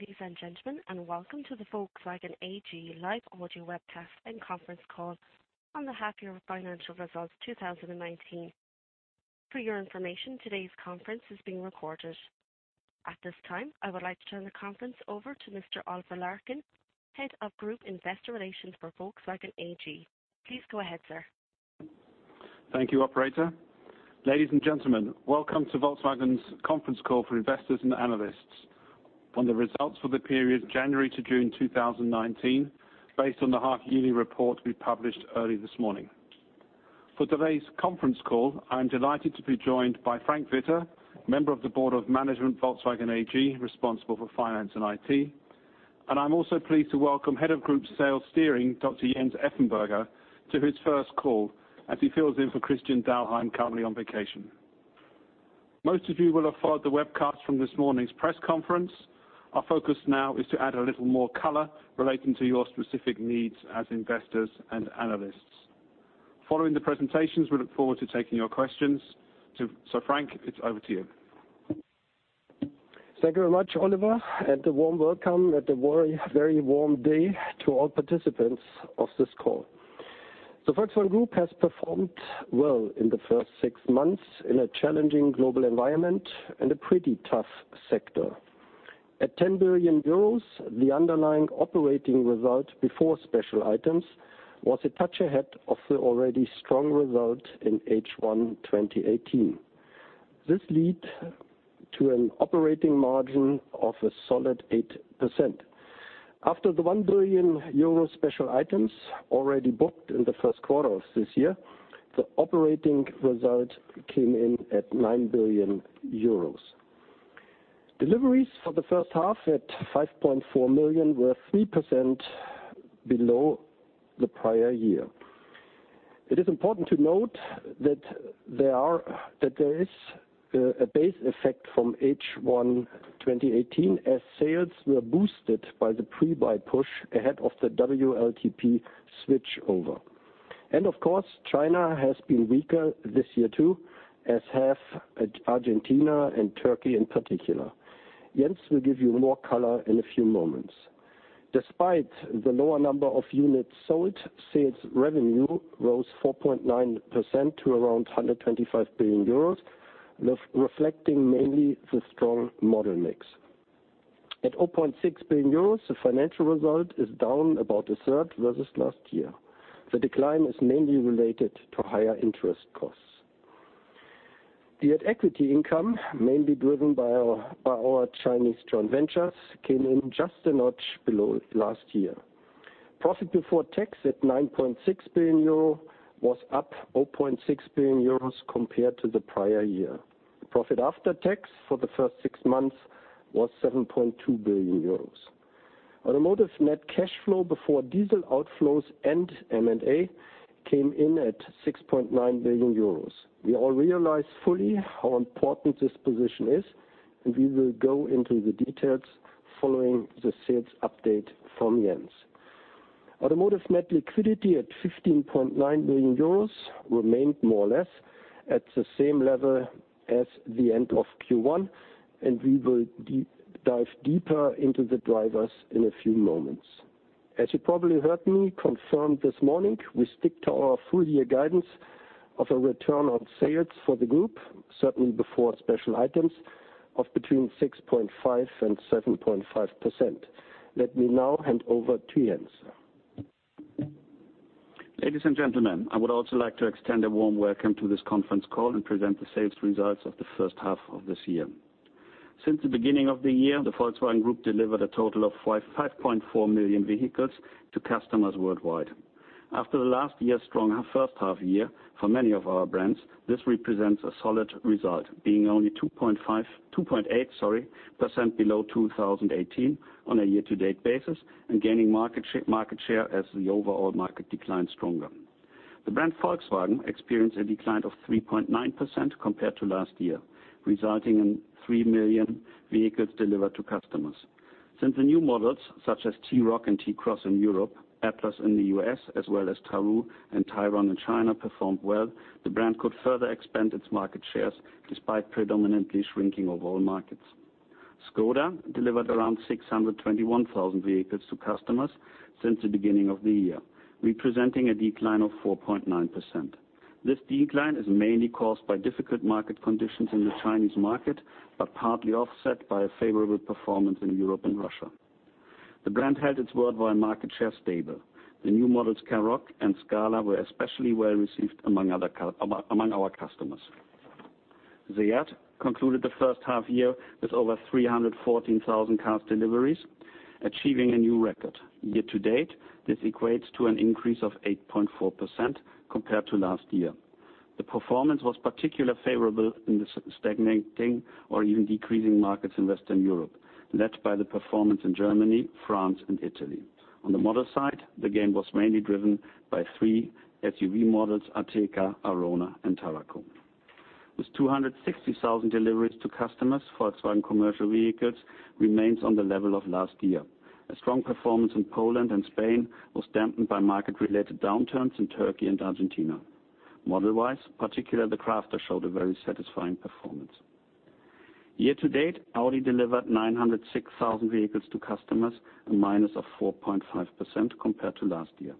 Ladies and gentlemen, welcome to the Volkswagen AG live audio webcast and conference call on the half year financial results 2019. For your information, today's conference is being recorded. At this time, I would like to turn the conference over to Mr. Oliver Larkin, Head of Group Investor Relations for Volkswagen AG. Please go ahead, sir. Thank you, operator. Ladies and gentlemen, welcome to Volkswagen's conference call for investors and analysts on the results for the period January to June 2019, based on the half-yearly report we published early this morning. For today's conference call, I'm delighted to be joined by Frank Witter, Member of the Board of Management Volkswagen AG, responsible for finance and IT. I'm also pleased to welcome Head of Group Sales Steering, Dr. Jens Effenberger, to his first call as he fills in for Christian Dahlheim, currently on vacation. Most of you will have followed the webcast from this morning's press conference. Our focus now is to add a little more color relating to your specific needs as investors and analysts. Following the presentations, we look forward to taking your questions. Frank, it's over to you. Thank you very much, Oliver, a warm welcome at the very warm day to all participants of this call. The Volkswagen Group has performed well in the first six months in a challenging global environment and a pretty tough sector. At 10 billion euros, the underlying operating result before special items was a touch ahead of the already strong result in H1 2018. This lead to an operating margin of a solid 8%. After the 1 billion euro special items already booked in the first quarter of this year, the operating result came in at 9 billion euros. Deliveries for the first half at 5.4 million were 3% below the prior year. It is important to note that there is a base effect from H1 2018 as sales were boosted by the pre-buy push ahead of the WLTP switchover. Of course, China has been weaker this year too, as have Argentina and Turkey in particular. Jens will give you more color in a few moments. Despite the lower number of units sold, sales revenue rose 4.9% to around 125 billion euros, reflecting mainly the strong model mix. At 0.6 billion euros, the financial result is down about 1/3 versus last year. The decline is mainly related to higher interest costs. The equity income, mainly driven by our Chinese joint ventures, came in just a notch below last year. Profit before tax at 9.6 billion euro was up 0.6 billion euros compared to the prior year. Profit after tax for the first six months was 7.2 billion euros. Automotive net cash flow before diesel outflows and M&A came in at 6.9 billion euros. We all realize fully how important this position is, and we will go into the details following the sales update from Jens. Automotive net liquidity at 15.9 billion euros remained more or less at the same level as the end of Q1, and we will dive deeper into the drivers in a few moments. As you probably heard me confirm this morning, we stick to our full year guidance of a return on sales for the group, certainly before special items, of between 6.5% and 7.5%. Let me now hand over to Jens. Ladies and gentlemen, I would also like to extend a warm welcome to this conference call and present the sales results of the first half of this year. Since the beginning of the year, the Volkswagen Group delivered a total of 5.4 million vehicles to customers worldwide. After last year's strong first half year for many of our brands, this represents a solid result, being only 2.8% below 2018 on a year-to-date basis and gaining market share as the overall market declines stronger. The brand Volkswagen experienced a decline of 3.9% compared to last year, resulting in 3 million vehicles delivered to customers. Since the new models such as T-Roc and T-Cross in Europe, Atlas in the U.S., as well as Tharu and Tayron in China performed well, the brand could further expand its market shares despite predominantly shrinking overall markets. Škoda delivered around 621,000 vehicles to customers since the beginning of the year, representing a decline of 4.9%. This decline is mainly caused by difficult market conditions in the Chinese market, but partly offset by a favorable performance in Europe and Russia. The brand held its worldwide market share stable. The new models Karoq and Scala were especially well received among our customers. SEAT concluded the first half year with over 314,000 cars deliveries, achieving a new record. Year to date, this equates to an increase of 8.4% compared to last year. The performance was particularly favorable in the stagnating or even decreasing markets in Western Europe, led by the performance in Germany, France, and Italy. On the model side, the gain was mainly driven by three SUV models, Ateca, Arona, and Tarraco. With 260,000 deliveries to customers, Volkswagen Commercial Vehicles remains on the level of last year. A strong performance in Poland and Spain was dampened by market-related downturns in Turkey and Argentina. Model-wise, particularly the Crafter showed a very satisfying performance. Year to date, Audi delivered 906,000 vehicles to customers, a minus of 4.5% compared to last year.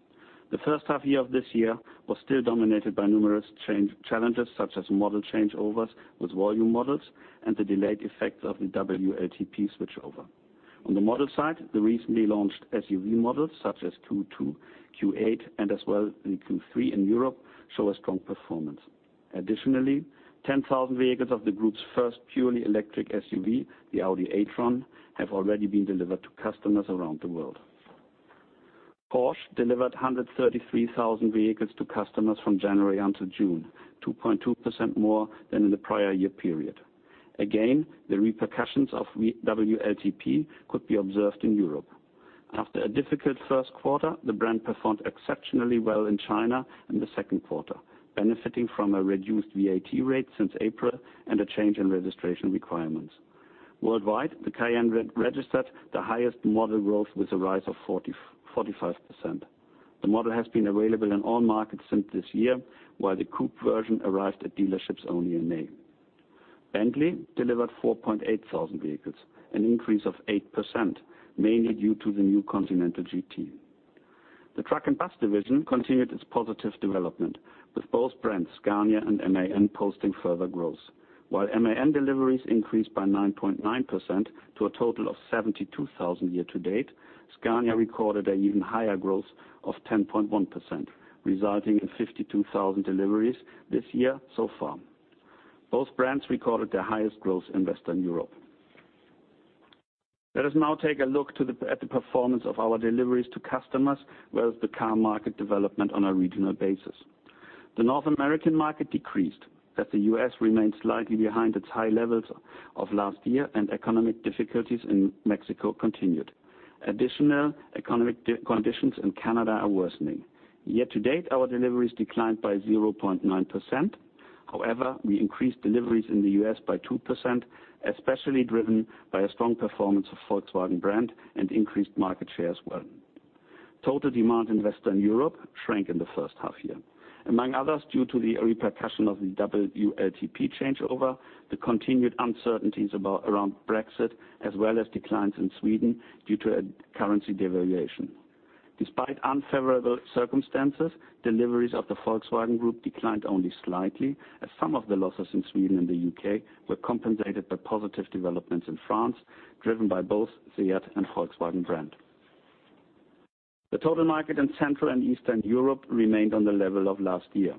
The first half year of this year was still dominated by numerous challenges, such as model changeovers with volume models, and the delayed effects of the WLTP switchover. On the model side, the recently launched SUV models such as Q2, Q8, and as well the Q3 in Europe, show a strong performance. Additionally, 10,000 vehicles of the group's first purely electric SUV, the Audi e-tron, have already been delivered to customers around the world. Porsche delivered 133,000 vehicles to customers from January until June, 2.2% more than in the prior year period. Again, the repercussions of WLTP could be observed in Europe. After a difficult first quarter, the brand performed exceptionally well in China in the second quarter, benefiting from a reduced VAT rate since April and a change in registration requirements. Worldwide, the Cayenne registered the highest model growth with a rise of 45%. The model has been available in all markets since this year, while the coupe version arrived at dealerships only in May. Bentley delivered 4,800 vehicles, an increase of 8%, mainly due to the new Continental GT. The truck and bus division continued its positive development, with both brands, Scania and MAN, posting further growth. While MAN deliveries increased by 9.9% to a total of 72,000 year to date, Scania recorded an even higher growth of 10.1%, resulting in 52,000 deliveries this year so far. Both brands recorded their highest growth in Western Europe. Let us now take a look at the performance of our deliveries to customers, as well as the car market development on a regional basis. The North American market decreased, as the U.S. remained slightly behind its high levels of last year and economic difficulties in Mexico continued. Additional economic conditions in Canada are worsening. Year to date, our deliveries declined by 0.9%. However, we increased deliveries in the U.S. by 2%, especially driven by a strong performance of Volkswagen brand and increased market share as well. Total demand in Western Europe shrank in the first half year. Among others, due to the repercussion of the WLTP changeover, the continued uncertainties around Brexit, as well as declines in Sweden due to a currency devaluation. Despite unfavorable circumstances, deliveries of the Volkswagen Group declined only slightly, as some of the losses in Sweden and the U.K. were compensated by positive developments in France, driven by both SEAT and Volkswagen brand. The total market in Central and Eastern Europe remained on the level of last year.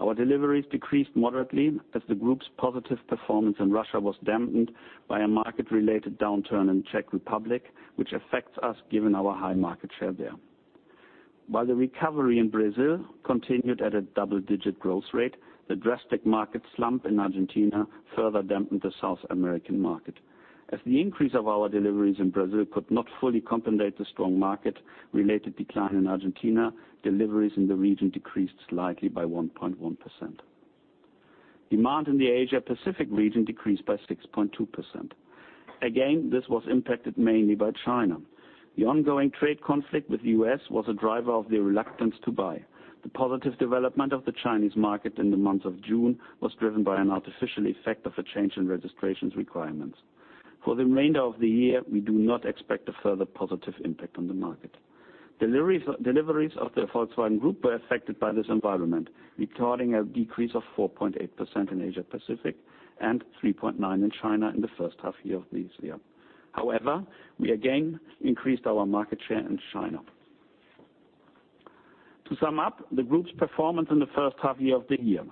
Our deliveries decreased moderately as the group's positive performance in Russia was dampened by a market-related downturn in Czech Republic, which affects us given our high market share there. While the recovery in Brazil continued at a double-digit growth rate, the drastic market slump in Argentina further dampened the South American market. As the increase of our deliveries in Brazil could not fully compensate the strong market-related decline in Argentina, deliveries in the region decreased slightly by 1.1%. Demand in the Asia-Pacific region decreased by 6.2%. Again, this was impacted mainly by China. The ongoing trade conflict with the U.S. was a driver of the reluctance to buy. The positive development of the Chinese market in the month of June was driven by an artificial effect of a change in registrations requirements. For the remainder of the year, we do not expect a further positive impact on the market. Deliveries of the Volkswagen Group were affected by this environment, recording a decrease of 4.8% in Asia-Pacific and 3.9% in China in the first half year of this year. However, we again increased our market share in China. To sum up the group's performance in the first half year of the year,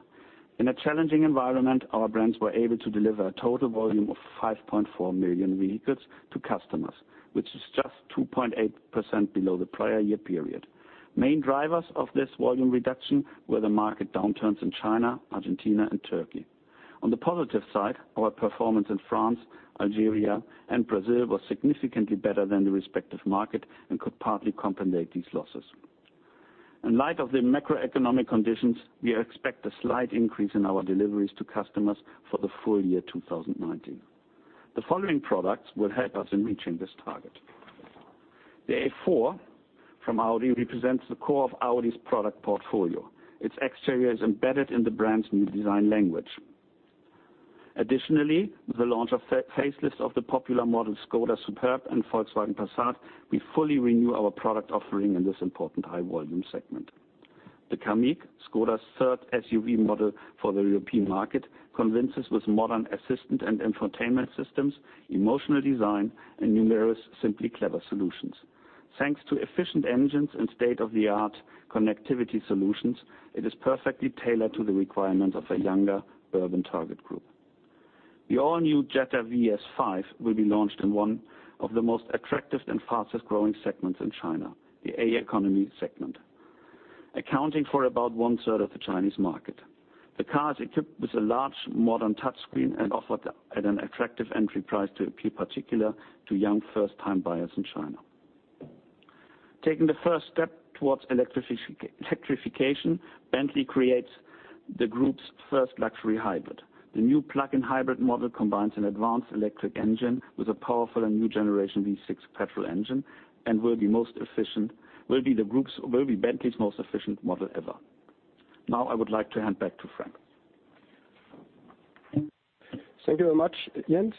in a challenging environment, our brands were able to deliver a total volume of 5.4 million vehicles to customers, which is just 2.8% below the prior year period. Main drivers of this volume reduction were the market downturns in China, Argentina, and Turkey. On the positive side, our performance in France, Algeria, and Brazil was significantly better than the respective market and could partly compensate these losses. In light of the macroeconomic conditions, we expect a slight increase in our deliveries to customers for the full year 2019. The following products will help us in reaching this target. The A4 from Audi represents the core of Audi's product portfolio. Its exterior is embedded in the brand's new design language. Additionally, with the launch of facelift of the popular model Škoda Superb and Volkswagen Passat, we fully renew our product offering in this important high-volume segment. The Kamiq, Škoda's third SUV model for the European market, convinces with modern assistant and infotainment systems, emotional design, and numerous simply clever solutions. Thanks to efficient engines and state-of-the-art connectivity solutions, it is perfectly tailored to the requirements of a younger urban target group. The all-new Jetta VS5 will be launched in one of the most attractive and fastest-growing segments in China, the A economy segment, accounting for about 1/3 of the Chinese market. The car is equipped with a large modern touchscreen and offered at an attractive entry price to appeal particular to young first-time buyers in China. Taking the first step towards electrification, Bentley creates the group's first luxury hybrid. The new plug-in hybrid model combines an advanced electric engine with a powerful and new generation V6 petrol engine, and will be Bentley's most efficient model ever. Now I would like to hand back to Frank. Thank you very much, Jens.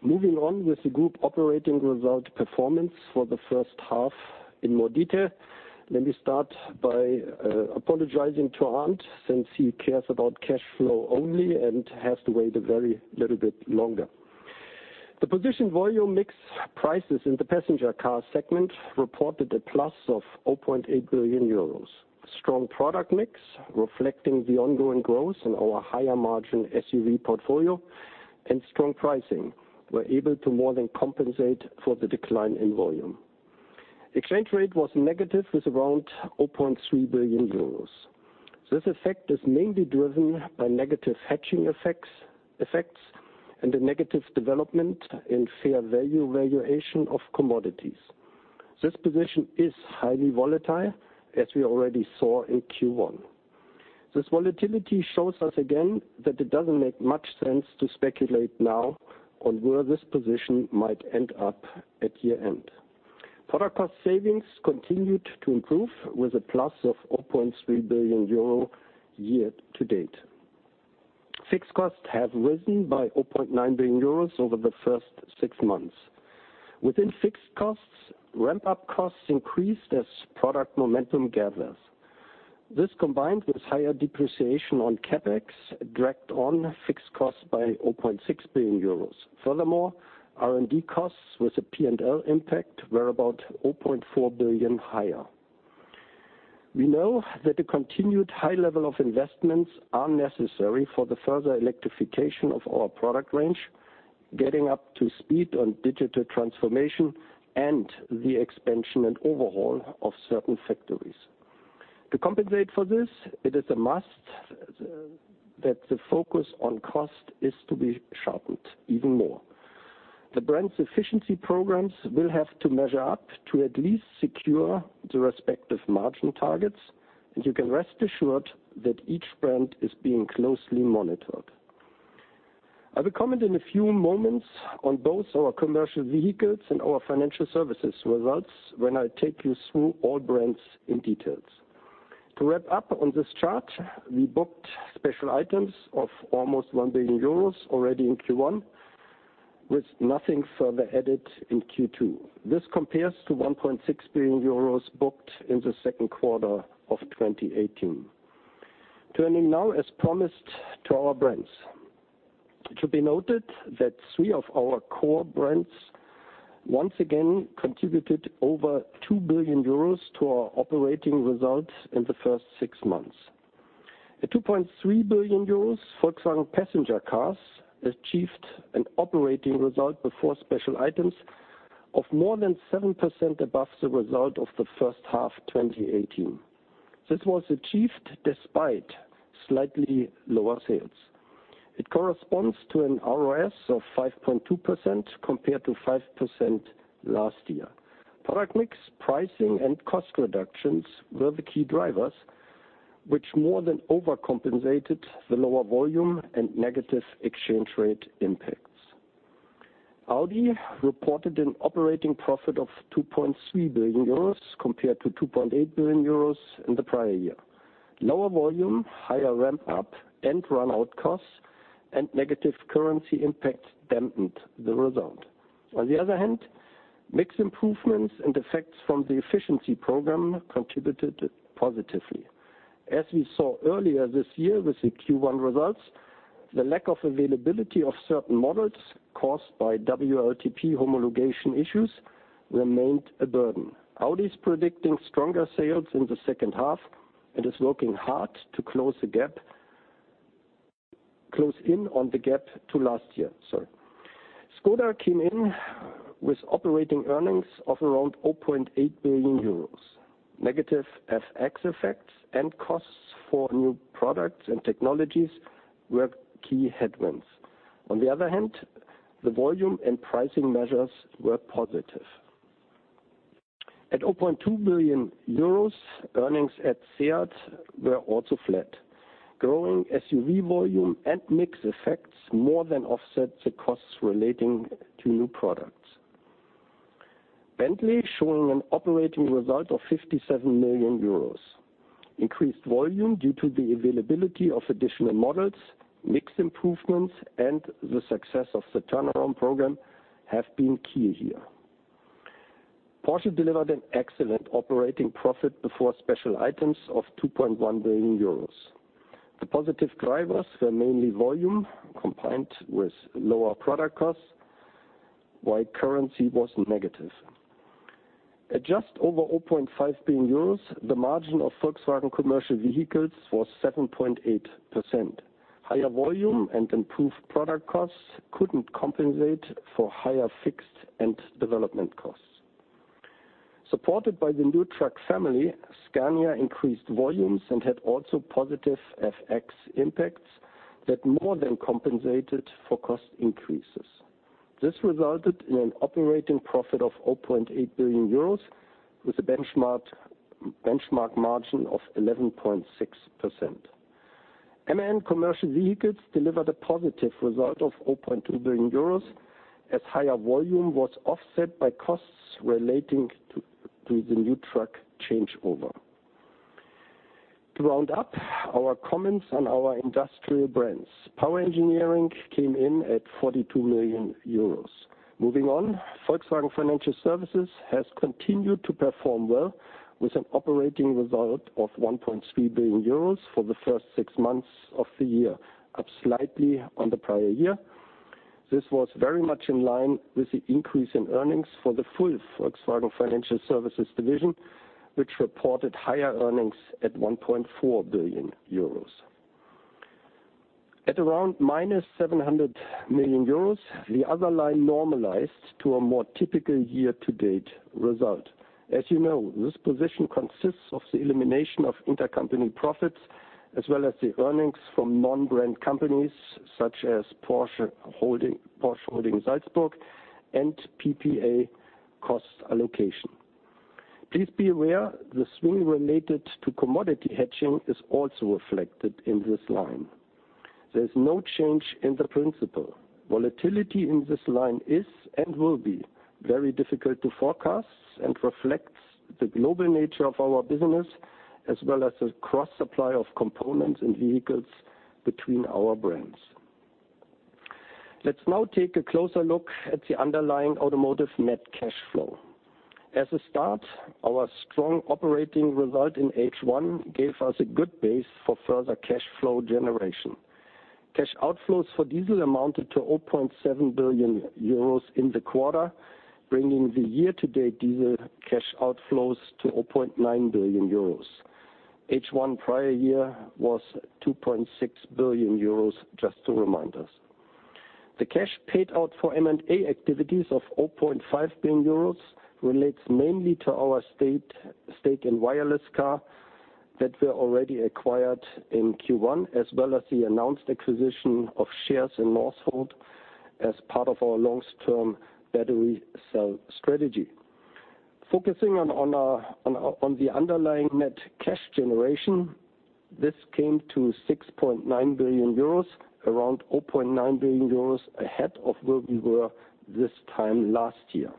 Moving on with the group operating result performance for the first half in more detail. Let me start by apologizing to Arndt, since he cares about cash flow only and has to wait a very little bit longer. The position volume mix prices in the passenger car segment reported a plus of 0.8 billion euros. Strong product mix reflecting the ongoing growth in our higher margin SUV portfolio and strong pricing, were able to more than compensate for the decline in volume. Exchange rate was negative with around 0.3 billion euros. This effect is mainly driven by negative hedging effects and a negative development in fair value valuation of commodities. This position is highly volatile, as we already saw in Q1. This volatility shows us again that it doesn't make much sense to speculate now on where this position might end up at year-end. Product cost savings continued to improve with a plus of 0.3 billion euro year to date. Fixed costs have risen by 0.9 billion euros over the first six months. Within fixed costs, ramp-up costs increased as product momentum gathers. This, combined with higher depreciation on CapEx, dragged on fixed costs by 0.6 billion euros. Furthermore, R&D costs with a P&L impact were about 0.4 billion higher. We know that the continued high level of investments are necessary for the further electrification of our product range, getting up to speed on digital transformation, and the expansion and overhaul of certain factories. To compensate for this, it is a must that the focus on cost is to be sharpened even more. The brand's efficiency programs will have to measure up to at least secure the respective margin targets, and you can rest assured that each brand is being closely monitored. I will comment in a few moments on both our Commercial Vehicles and our Financial Services results when I take you through all brands in details. To wrap up on this chart, we booked special items of almost 1 billion euros already in Q1, with nothing further added in Q2. This compares to 1.6 billion euros booked in the second quarter of 2018. Turning now, as promised, to our brands. It should be noted that three of our core brands once again contributed over 2 billion euros to our operating results in the first six months. At 2.3 billion euros, Volkswagen Passenger Cars achieved an operating result before special items of more than 7% above the result of the first half 2018. This was achieved despite slightly lower sales. It corresponds to an ROS of 5.2% compared to 5% last year. Product mix pricing and cost reductions were the key drivers, which more than overcompensated the lower volume and negative exchange rate impacts. Audi reported an operating profit of 2.3 billion euros compared to 2.8 billion euros in the prior year. Lower volume, higher ramp-up and run-out costs, and negative currency impacts dampened the result. On the other hand, mix improvements and effects from the efficiency program contributed positively. As we saw earlier this year with the Q1 results, the lack of availability of certain models caused by WLTP homologation issues remained a burden. Audi is predicting stronger sales in the second half and is working hard to close in on the gap to last year. Škoda came in with operating earnings of around 0.8 billion euros. Negative FX effects and costs for new products and technologies were key headwinds. On the other hand, the volume and pricing measures were positive. At 0.2 billion euros, earnings at SEAT were also flat. Growing SUV volume and mix effects more than offset the costs relating to new products. Bentley is showing an operating result of 57 million euros. Increased volume due to the availability of additional models, mix improvements, and the success of the turnaround program have been key here. Porsche delivered an excellent operating profit before special items of 2.1 billion euros. The positive drivers were mainly volume combined with lower product costs, while currency was negative. At just over 0.5 billion euros, the margin of Volkswagen Commercial Vehicles was 7.8%. Higher volume and improved product costs couldn't compensate for higher fixed and development costs. Supported by the new truck family, Scania increased volumes and had also positive FX impacts that more than compensated for cost increases. This resulted in an operating profit of 0.8 billion euros with a benchmark margin of 11.6%. MAN commercial vehicles delivered a positive result of 0.2 billion euros as higher volume was offset by costs relating to the new truck changeover. To round up our comments on our industrial brands, power engineering came in at 42 million euros. Moving on, Volkswagen Financial Services has continued to perform well with an operating result of 1.3 billion euros for the first six months of the year, up slightly on the prior year. This was very much in line with the increase in earnings for the full Volkswagen Financial Services division, which reported higher earnings at 1.4 billion euros. At around -700 million euros, the other line normalized to a more typical year-to-date result. As you know, this position consists of the elimination of intercompany profits, as well as the earnings from non-brand companies such as Porsche Holding Salzburg and PPA cost allocation. Please be aware the swing related to commodity hedging is also reflected in this line. There is no change in the principle. Volatility in this line is and will be very difficult to forecast and reflects the global nature of our business, as well as the cross-supply of components and vehicles between our brands. Let's now take a closer look at the underlying automotive net cash flow. As a start, our strong operating result in H1 gave us a good base for further cash flow generation. Cash outflows for diesel amounted to 0.7 billion euros in the quarter, bringing the year-to-date diesel cash outflows to 0.9 billion euros. H1 prior year was 2.6 billion euros, just to remind us. The cash paid out for M&A activities of 0.5 billion euros relates mainly to our stake in Wireless Car that were already acquired in Q1, as well as the announced acquisition of shares in Northvolt as part of our long-term battery cell strategy. Focusing on the underlying net cash generation, this came to 6.9 billion euros, around 0.9 billion euros ahead of where we were this time last year.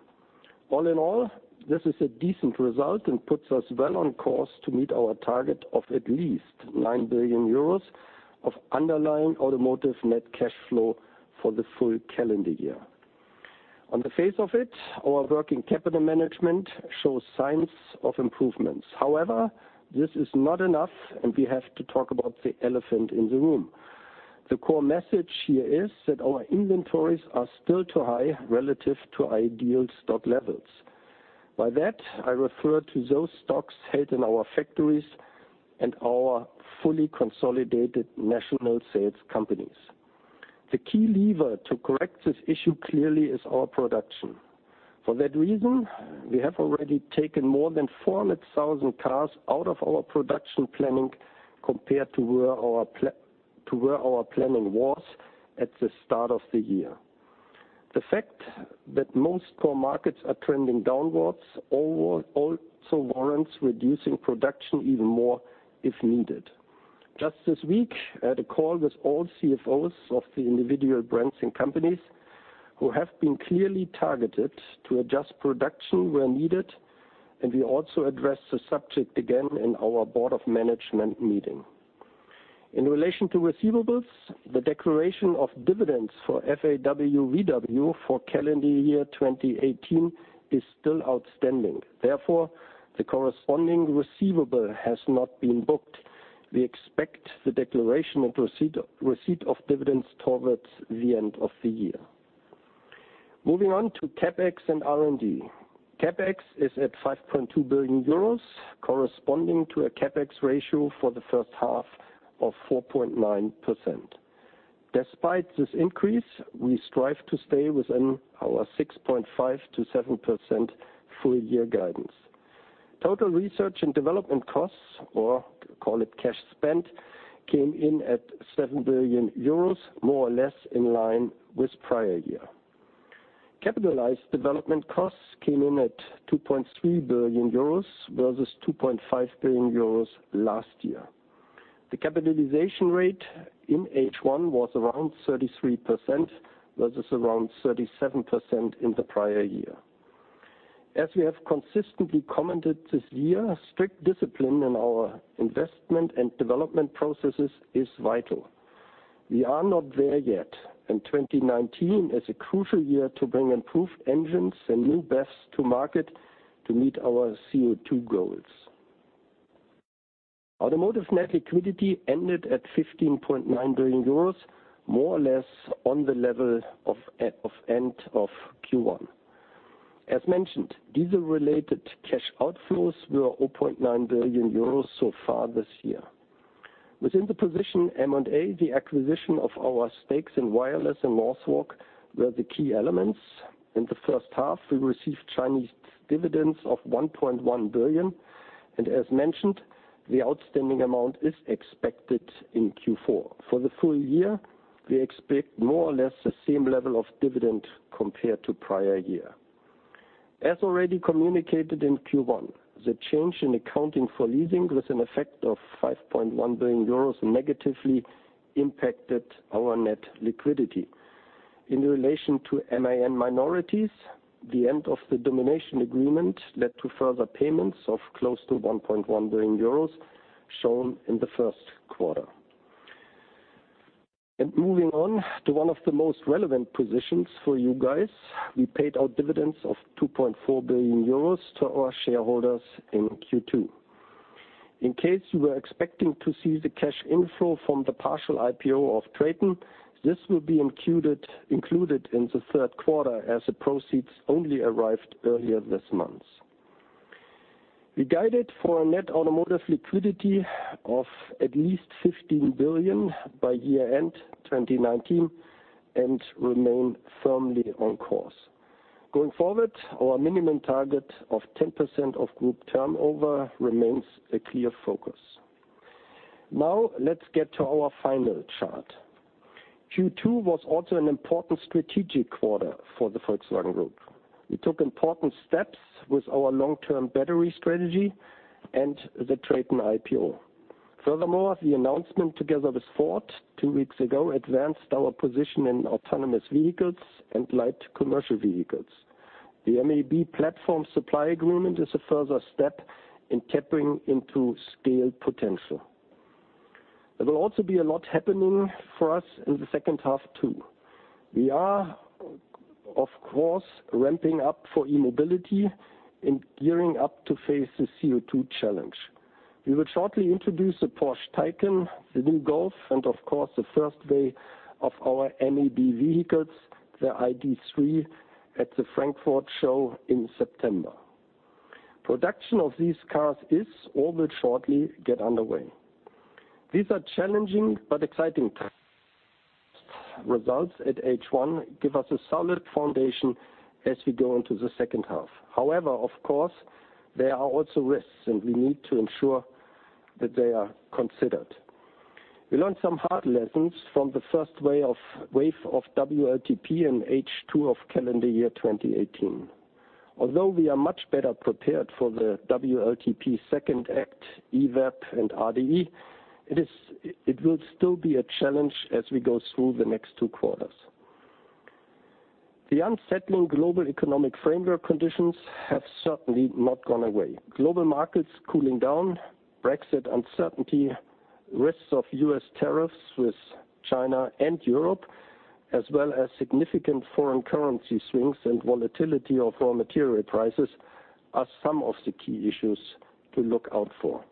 All in all, this is a decent result and puts us well on course to meet our target of at least 9 billion euros of underlying automotive net cash flow for the full calendar year. On the face of it, our working capital management shows signs of improvements. However, this is not enough, and we have to talk about the elephant in the room. The core message here is that our inventories are still too high relative to ideal stock levels. By that, I refer to those stocks held in our factories and our fully consolidated national sales companies. The key lever to correct this issue clearly is our production. For that reason, we have already taken more than 400,000 cars out of our production planning compared to where our planning was at the start of the year. The fact that most core markets are trending downwards also warrants reducing production even more if needed. Just this week, I had a call with all CFOs of the individual brands and companies who have been clearly targeted to adjust production where needed, and we also addressed the subject again in our Board of Management meeting. In relation to receivables, the declaration of dividends for FAW-VW for calendar year 2018 is still outstanding. Therefore, the corresponding receivable has not been booked. We expect the declaration and receipt of dividends towards the end of the year. Moving on to CapEx and R&D. CapEx is at 5.2 billion euros, corresponding to a CapEx ratio for the first half of 4.9%. Despite this increase, we strive to stay within our 6.5%-7% full-year guidance. Total research and development costs, or call it cash spent, came in at 7 billion euros, more or less in line with prior year. Capitalized development costs came in at 2.3 billion euros versus 2.5 billion euros last year. The capitalization rate in H1 was around 33% versus around 37% in the prior year. As we have consistently commented this year, strict discipline in our investment and development processes is vital. We are not there yet, 2019 is a crucial year to bring improved engines and new BEVs to market to meet our CO2 goals. Automotive net liquidity ended at 15.9 billion euros, more or less on the level of end of Q1. As mentioned, diesel-related cash outflows were 0.9 billion euros so far this year. Within the position M&A, the acquisition of our stakes in Wireless and Northvolt were the key elements. In the first half, we received Chinese dividends of 1.1 billion, and as mentioned, the outstanding amount is expected in Q4. For the full year, we expect more or less the same level of dividend compared to prior year. As already communicated in Q1, the change in accounting for leasing with an effect of 5.1 billion euros negatively impacted our net liquidity. In relation to MAN minorities, the end of the domination agreement led to further payments of close to 1.1 billion euros, shown in the first quarter. Moving on to one of the most relevant positions for you guys, we paid out dividends of 2.4 billion euros to our shareholders in Q2. In case you were expecting to see the cash inflow from the partial IPO of TRATON, this will be included in the third quarter, as the proceeds only arrived earlier this month. We guided for a net automotive liquidity of at least 15 billion by year-end 2019 and remain firmly on course. Going forward, our minimum target of 10% of group turnover remains a clear focus. Now, let's get to our final chart. Q2 was also an important strategic quarter for the Volkswagen Group. We took important steps with our long-term battery strategy and the TRATON IPO. Furthermore, the announcement together with Ford two weeks ago advanced our position in autonomous vehicles and light commercial vehicles. The MEB platform supply agreement is a further step in tapping into scale potential. There will also be a lot happening for us in the second half, too. We are, of course, ramping up for e-mobility and gearing up to face the CO2 challenge. We will shortly introduce the Porsche Taycan, the new Golf, and of course, the first wave of our MEB vehicles, the ID.3, at the Frankfurt Show in September. Production of these cars is or will shortly get underway. These are challenging but exciting times. Results at H1 give us a solid foundation as we go into the second half. However, of course, there are also risks, and we need to ensure that they are considered. We learned some hard lessons from the first wave of WLTP in H2 of calendar year 2018. Although we are much better prepared for the WLTP second act, EVAP and RDE, it will still be a challenge as we go through the next two quarters. The unsettling global economic framework conditions have certainly not gone away. Global markets cooling down, Brexit uncertainty, risks of U.S. tariffs with China and Europe, as well as significant foreign currency swings and volatility of raw material prices are some of the key issues to look out for.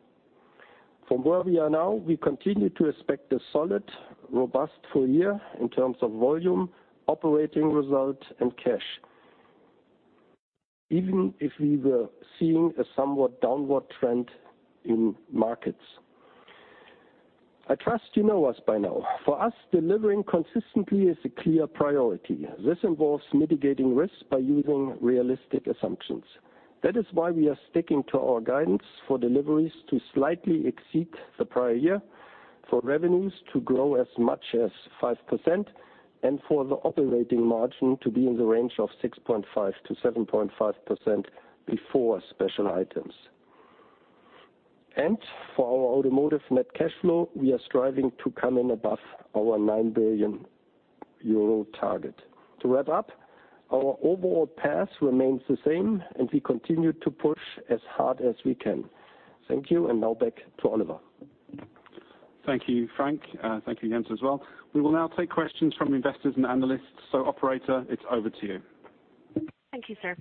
From where we are now, we continue to expect a solid, robust full year in terms of volume, operating result and cash, even if we were seeing a somewhat downward trend in markets. I trust you know us by now. For us, delivering consistently is a clear priority. This involves mitigating risk by using realistic assumptions. That is why we are sticking to our guidance for deliveries to slightly exceed the prior year, for revenues to grow as much as 5%, and for the operating margin to be in the range of 6.5%-7.5% before special items. For our automotive net cash flow, we are striving to come in above our 9 billion euro target. To wrap up, our overall path remains the same, and we continue to push as hard as we can. Thank you, and now back to Oliver. Thank you, Frank. Thank you, Jens, as well. We will now take questions from investors and analysts. Operator, it's over to you. Thank you, sir.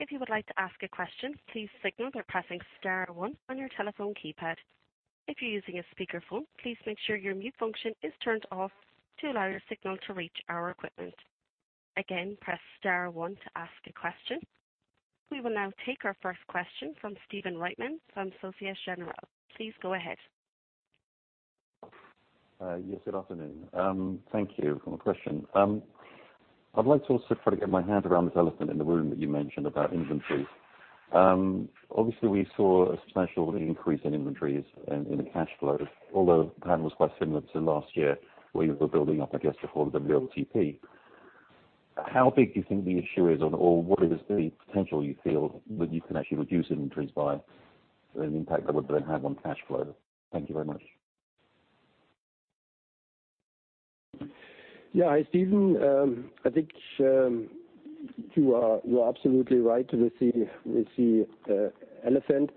If you would like to ask a question, please signal by pressing star one on your telephone keypad. If you're using a speakerphone, please make sure your mute function is turned off to allow your signal to reach our equipment. Again, press star one to ask a question. We will now take our first question from Stephen Reitman from Societe Generale. Please go ahead. Yes, good afternoon. Thank you for the question. I'd like to also try to get my head around this elephant in the room that you mentioned about inventories. Obviously, we saw a substantial increase in inventories in the cash flow, although the pattern was quite similar to last year, where you were building up, I guess, for WLTP. How big do you think the issue is on all? What is the potential you feel that you can actually reduce inventories by, and the impact that would then have on cash flow? Thank you very much. Yeah. Stephen, I think you are absolutely right to see the elephant.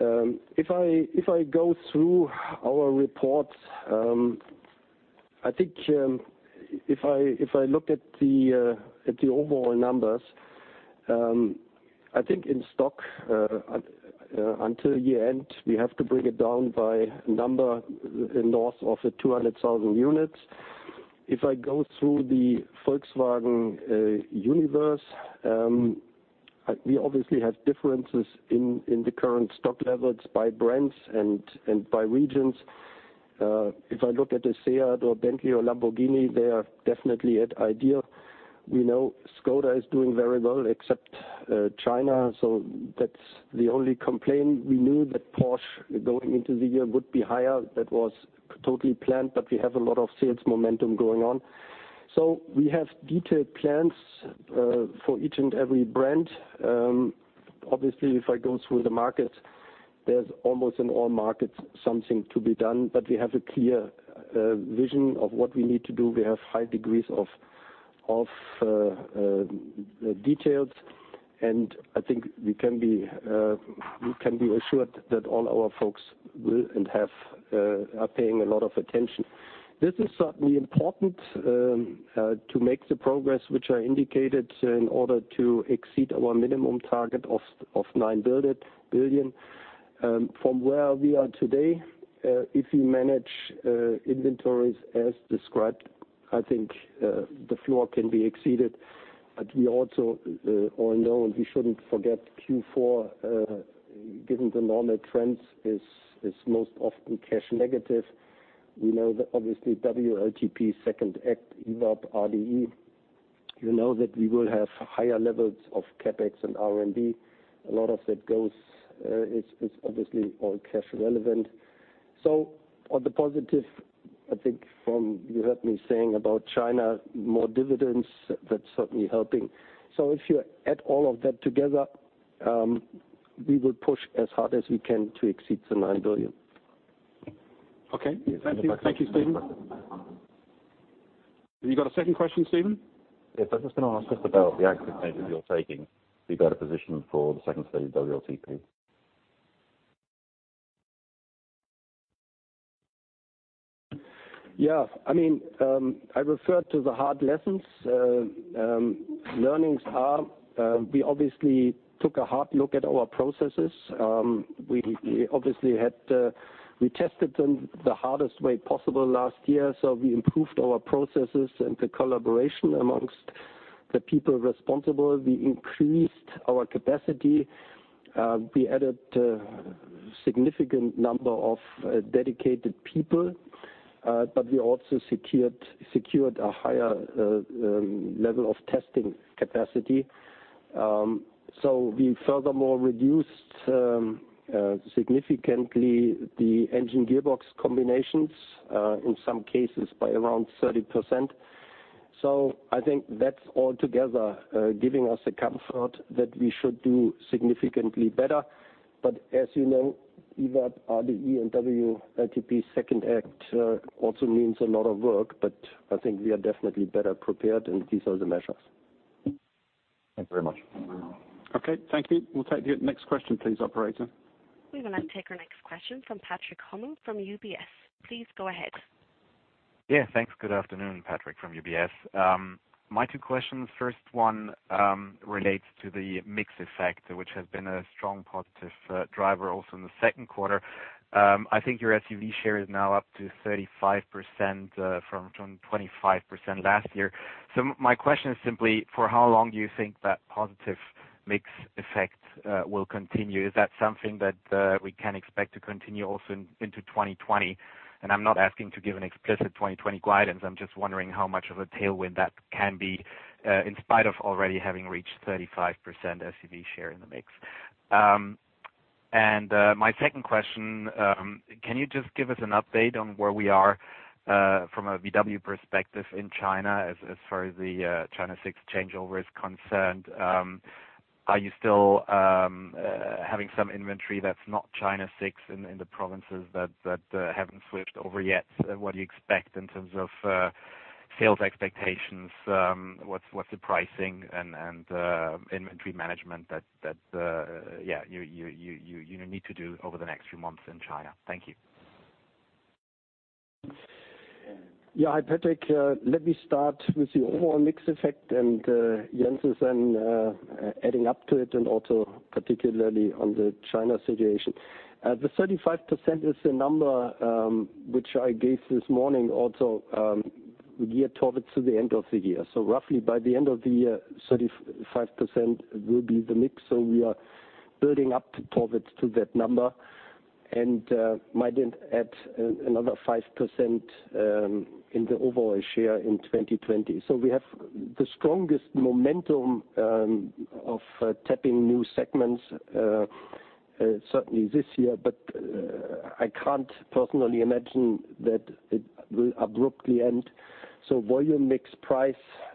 If I go through our reports, if I look at the overall numbers, I think in stock until year-end, we have to bring it down by a number in north of 200,000 units. If I go through the Volkswagen universe, we obviously have differences in the current stock levels by brands and by regions. If I look at the SEAT or Bentley or Lamborghini, they are definitely at ideal. We know Škoda is doing very well except China, so that's the only complaint. We knew that Porsche going into the year would be higher. That was totally planned, but we have a lot of sales momentum going on. We have detailed plans for each and every brand. Obviously, if I go through the markets, there's almost in all markets something to be done. We have a clear vision of what we need to do. We have high degrees of details, and I think we can be assured that all our folks will and are paying a lot of attention. This is certainly important to make the progress which I indicated in order to exceed our minimum target of 9 billion. From where we are today, if we manage inventories as described, I think the floor can be exceeded. We also all know and we shouldn't forget Q4, given the normal trends, is most often cash negative. We know that obviously WLTP second act EVAP RDE. You know that we will have higher levels of CapEx and R&D. A lot of that is obviously all cash relevant. On the positive, I think from you heard me saying about China, more dividends, that's certainly helping. If you add all of that together, we will push as hard as we can to exceed the 9 billion. Okay. Thank you, Stephen. Have you got a second question, Stephen? Yes, I was just going to ask just about the active measures you're taking to better position for the second stage of WLTP. I referred to the hard lessons. We obviously took a hard look at our processes. We tested them the hardest way possible last year. We improved our processes and the collaboration amongst the people responsible. We increased our capacity. We added a significant number of dedicated people. We also secured a higher level of testing capacity. We furthermore reduced significantly the engine gearbox combinations, in some cases by around 30%. I think that's all together giving us the comfort that we should do significantly better. As you know, EVAP RDE and WLTP second act also means a lot of work, but I think we are definitely better prepared. These are the measures. Thank you very much. Okay, thank you. We'll take the next question please, operator. We will now take our next question from Patrick Hummel from UBS. Please go ahead. Yeah, thanks. Good afternoon, Patrick from UBS. My two questions. First one relates to the mix effect, which has been a strong positive driver also in the second quarter. I think your SUV share is now up to 35% from 25% last year. My question is simply, for how long do you think that positive mix effect will continue? Is that something that we can expect to continue also into 2020? I am not asking to give an explicit 2020 guidance, I am just wondering how much of a tailwind that can be, in spite of already having reached 35% SUV share in the mix. My second question, can you just give us an update on where we are from a VW perspective in China as far as the China 6 changeover is concerned? Are you still having some inventory that's not China 6 in the provinces that haven't switched over yet? What do you expect in terms of sales expectations? What's the pricing and inventory management that you need to do over the next few months in China? Thank you. Patrick, let me start with the overall mix effect, Jens is then adding up to it and also particularly on the China situation. The 35% is the number which I gave this morning also year targets to the end of the year. Roughly by the end of the year, 35% will be the mix. We are building up targets to that number and might then add another 5% in the overall share in 2020. We have the strongest momentum of tapping new segments certainly this year, but I can't personally imagine that it will abruptly end. Volume mix price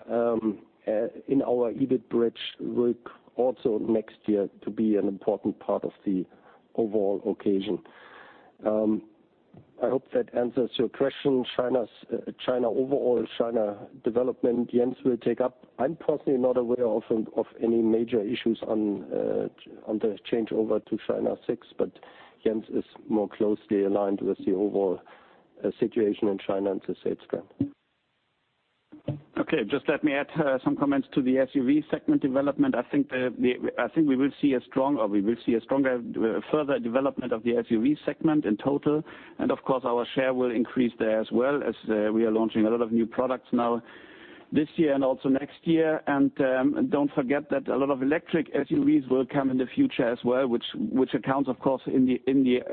in our EBIT bridge will also next year to be an important part of the overall occasion. I hope that answers your question. Overall China development, Jens will take up. I'm personally not aware of any major issues on the changeover to China 6, but Jens is more closely aligned with the overall situation in China and to say it then. Okay. Just let me add some comments to the SUV segment development. I think we will see a stronger further development of the SUV segment in total. Of course, our share will increase there as well as we are launching a lot of new products now this year and also next year. Don't forget that a lot of electric SUVs will come in the future as well, which accounts of course in the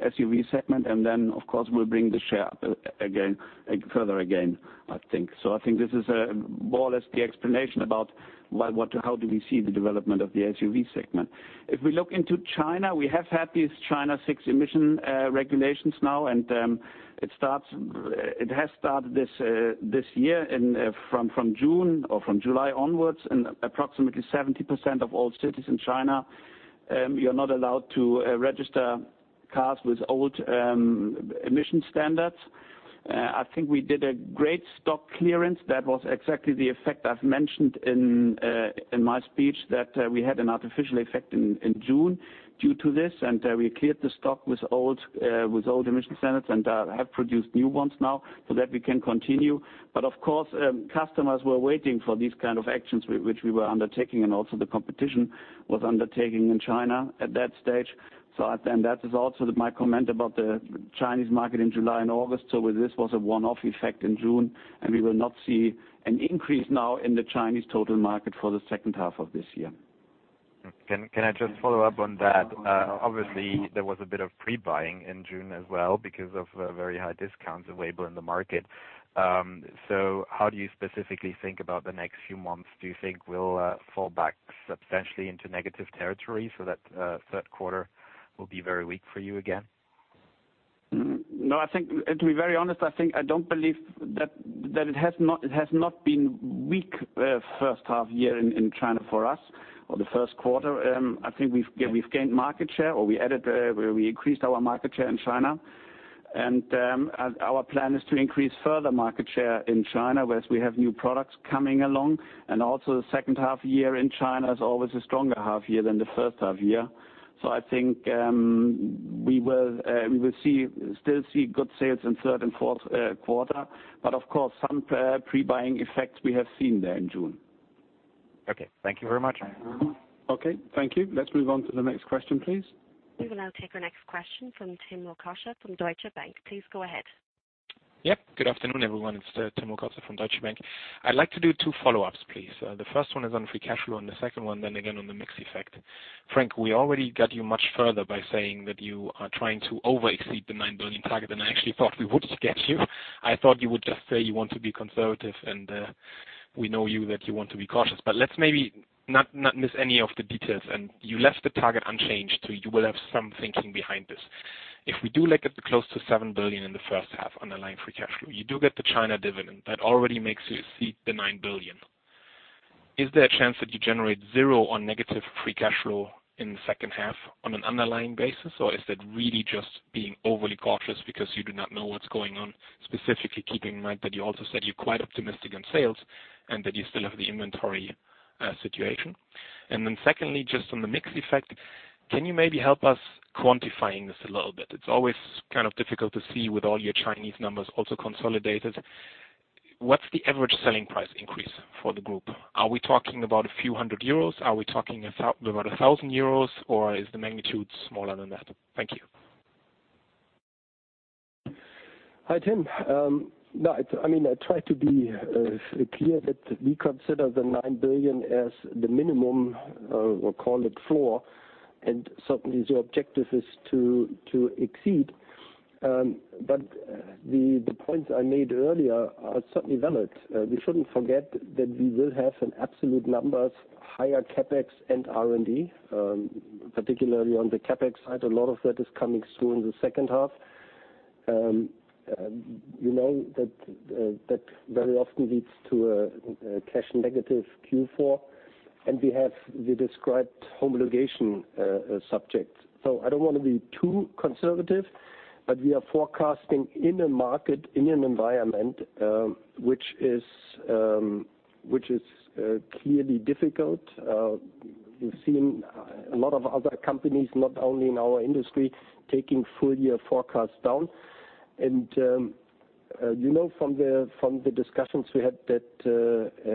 SUV segment and of course will bring the share up further again, I think. I think this is more or less the explanation about how do we see the development of the SUV segment. If we look into China, we have had these China 6 emission regulations now, and it has started this year from June or from July onwards. In approximately 70% of all cities in China, you're not allowed to register cars with old emission standards. I think we did a great stock clearance. That was exactly the effect I've mentioned in my speech, that we had an artificial effect in June due to this, and we cleared the stock with old emission standards and have produced new ones now so that we can continue. Of course, customers were waiting for these kind of actions which we were undertaking, and also the competition was undertaking in China at that stage. That is also my comment about the Chinese market in July and August. This was a one-off effect in June, and we will not see an increase now in the Chinese total market for the second half of this year. Can I just follow up on that? Obviously, there was a bit of pre-buying in June as well because of very high discounts available in the market. How do you specifically think about the next few months? Do you think we'll fall back substantially into negative territory so that third quarter will be very weak for you again? No, to be very honest, I think I don't believe that it has not been weak first half-year in China for us or the first quarter. I think we've gained market share, or we increased our market share in China. Our plan is to increase further market share in China, whereas we have new products coming along. Also the second half-year in China is always a stronger half-year than the first half-year. I think we will still see good sales in third and fourth quarter. Of course, some pre-buying effects we have seen there in June. Okay. Thank you very much. Okay, thank you. Let's move on to the next question, please. We will now take our next question from Tim Rokossa from Deutsche Bank. Please go ahead. Yep. Good afternoon, everyone. It's Tim Rokossa from Deutsche Bank. I'd like to do two follow-ups, please. The first one is on free cash flow, and the second one then again on the mix effect. Frank, we already got you much further by saying that you are trying to over-exceed the 9 billion target than I actually thought we would get you. I thought you would just say you want to be conservative, and we know you that you want to be cautious. Let's maybe not miss any of the details. You left the target unchanged, so you will have some thinking behind this. If we do look at close to 7 billion in the first half underlying free cash flow, you do get the China dividend. That already makes you exceed the 9 billion. Is there a chance that you generate zero or negative free cash flow in the second half on an underlying basis? Is that really just being overly cautious because you do not know what's going on, specifically keeping in mind that you also said you're quite optimistic on sales and that you still have the inventory situation? Secondly, just on the mix effect, can you maybe help us quantifying this a little bit? It's always kind of difficult to see with all your Chinese numbers also consolidated. What's the average selling price increase for the group? Are we talking about a few hundred euros? Are we talking about 1,000 euros, or is the magnitude smaller than that? Thank you. Hi, Tim. I tried to be clear that we consider the 9 billion as the minimum, we'll call it floor, and certainly the objective is to exceed. The points I made earlier are certainly valid. We shouldn't forget that we will have an absolute numbers higher CapEx and R&D, particularly on the CapEx side. A lot of that is coming soon in the second half. You know that very often leads to a cash negative Q4, and we have the described homologation subject. I don't want to be too conservative, but we are forecasting in a market, in an environment, which is clearly difficult. We've seen a lot of other companies, not only in our industry, taking full-year forecasts down. You know from the discussions we had at the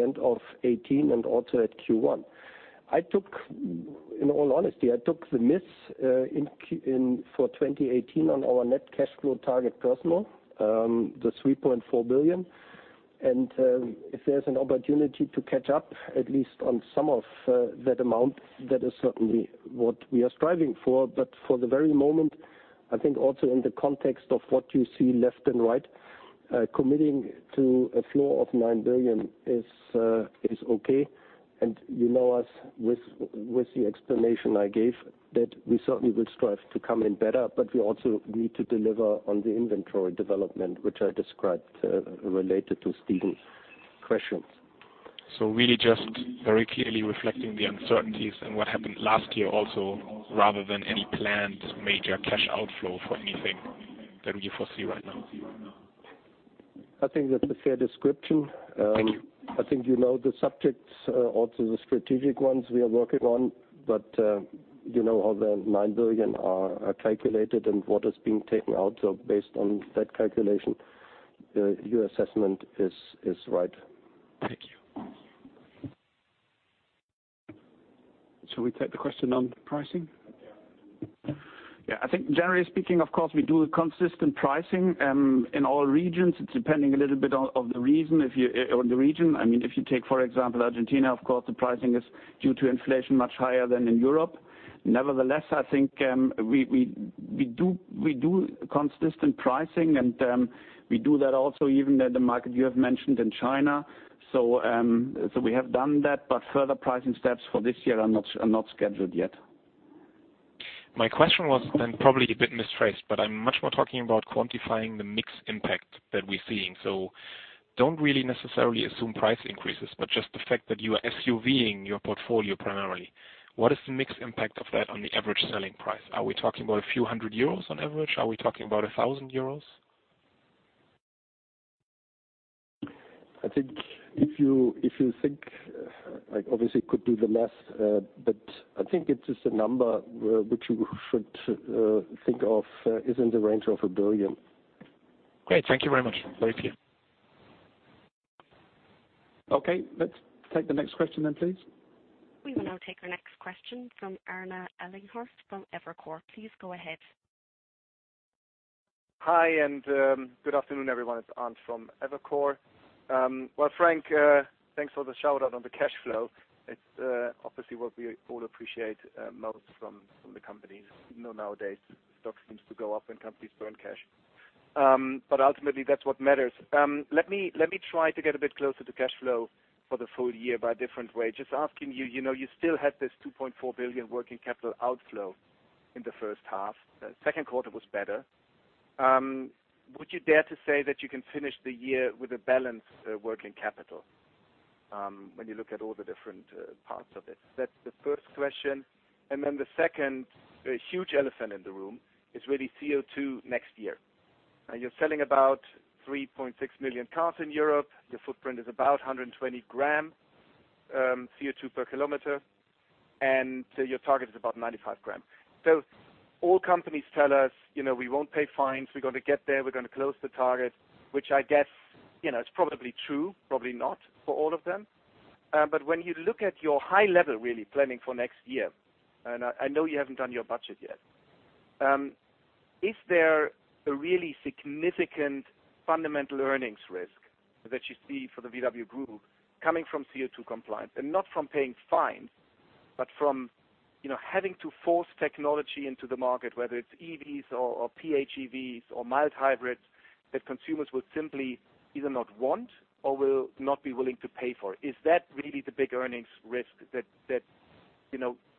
end of 2018 and also at Q1, in all honesty, I took the miss for 2018 on our net cash flow target personal, the 3.4 billion. If there's an opportunity to catch up at least on some of that amount, that is certainly what we are striving for. For the very moment, I think also in the context of what you see left and right, committing to a floor of 9 billion is okay. You know us with the explanation I gave that we certainly will strive to come in better, but we also need to deliver on the inventory development, which I described related to Stephen's questions. Really just very clearly reflecting the uncertainties and what happened last year also rather than any planned major cash outflow for anything that you foresee right now? I think that's a fair description. Thank you. I think you know the subjects, also the strategic ones we are working on. You know how the 9 billion are calculated and what is being taken out. Based on that calculation, your assessment is right. Thank you. Should we take the question on pricing? Yeah. I think generally speaking, of course, we do consistent pricing in all regions. It's depending a little bit on the region. If you take, for example, Argentina, of course, the pricing is due to inflation much higher than in Europe. Nevertheless, I think we do consistent pricing, and we do that also even in the market you have mentioned in China. We have done that, but further pricing steps for this year are not scheduled yet. My question was then probably a bit mistraced, but I'm much more talking about quantifying the mix impact that we're seeing. Don't really necessarily assume price increases, but just the fact that you are SUV-ing your portfolio primarily. What is the mix impact of that on the average selling price? Are we talking about a few hundred euros on average? Are we talking about 1,000 euros? I think if you think, obviously could do the math, but I think it is a number which you should think of is in the range of 1 billion. Great. Thank you very much. Thank you. Okay. Let's take the next question then, please. We will now take our next question from Arndt Ellinghorst from Evercore. Please go ahead. Hi, good afternoon, everyone. It's Arndt from Evercore. Well, Frank, thanks for the shout-out on the cash flow. It's obviously what we all appreciate most from the companies. Nowadays, stock seems to go up and companies burn cash. Ultimately, that's what matters. Let me try to get a bit closer to cash flow for the full year by a different way. Just asking you still had this 2.4 billion working capital outflow in the first half. The second quarter was better. Would you dare to say that you can finish the year with a balanced working capital when you look at all the different parts of it? That's the first question. The second huge elephant in the room is really CO2 next year. Now you're selling about 3.6 million cars in Europe. Your footprint is about 120 g CO2 per kilometer. Your target is about 95 g. All companies tell us, we won't pay fines. We're going to get there, we're going to close the target, which I guess, it's probably true, probably not for all of them. When you look at your high level, really planning for next year, and I know you haven't done your budget yet, is there a really significant fundamental earnings risk that you see for the VW Group coming from CO2 compliance and not from paying fines, but from having to force technology into the market, whether it's EVs or PHEVs or mild hybrids that consumers will simply either not want or will not be willing to pay for? Is that really the big earnings risk that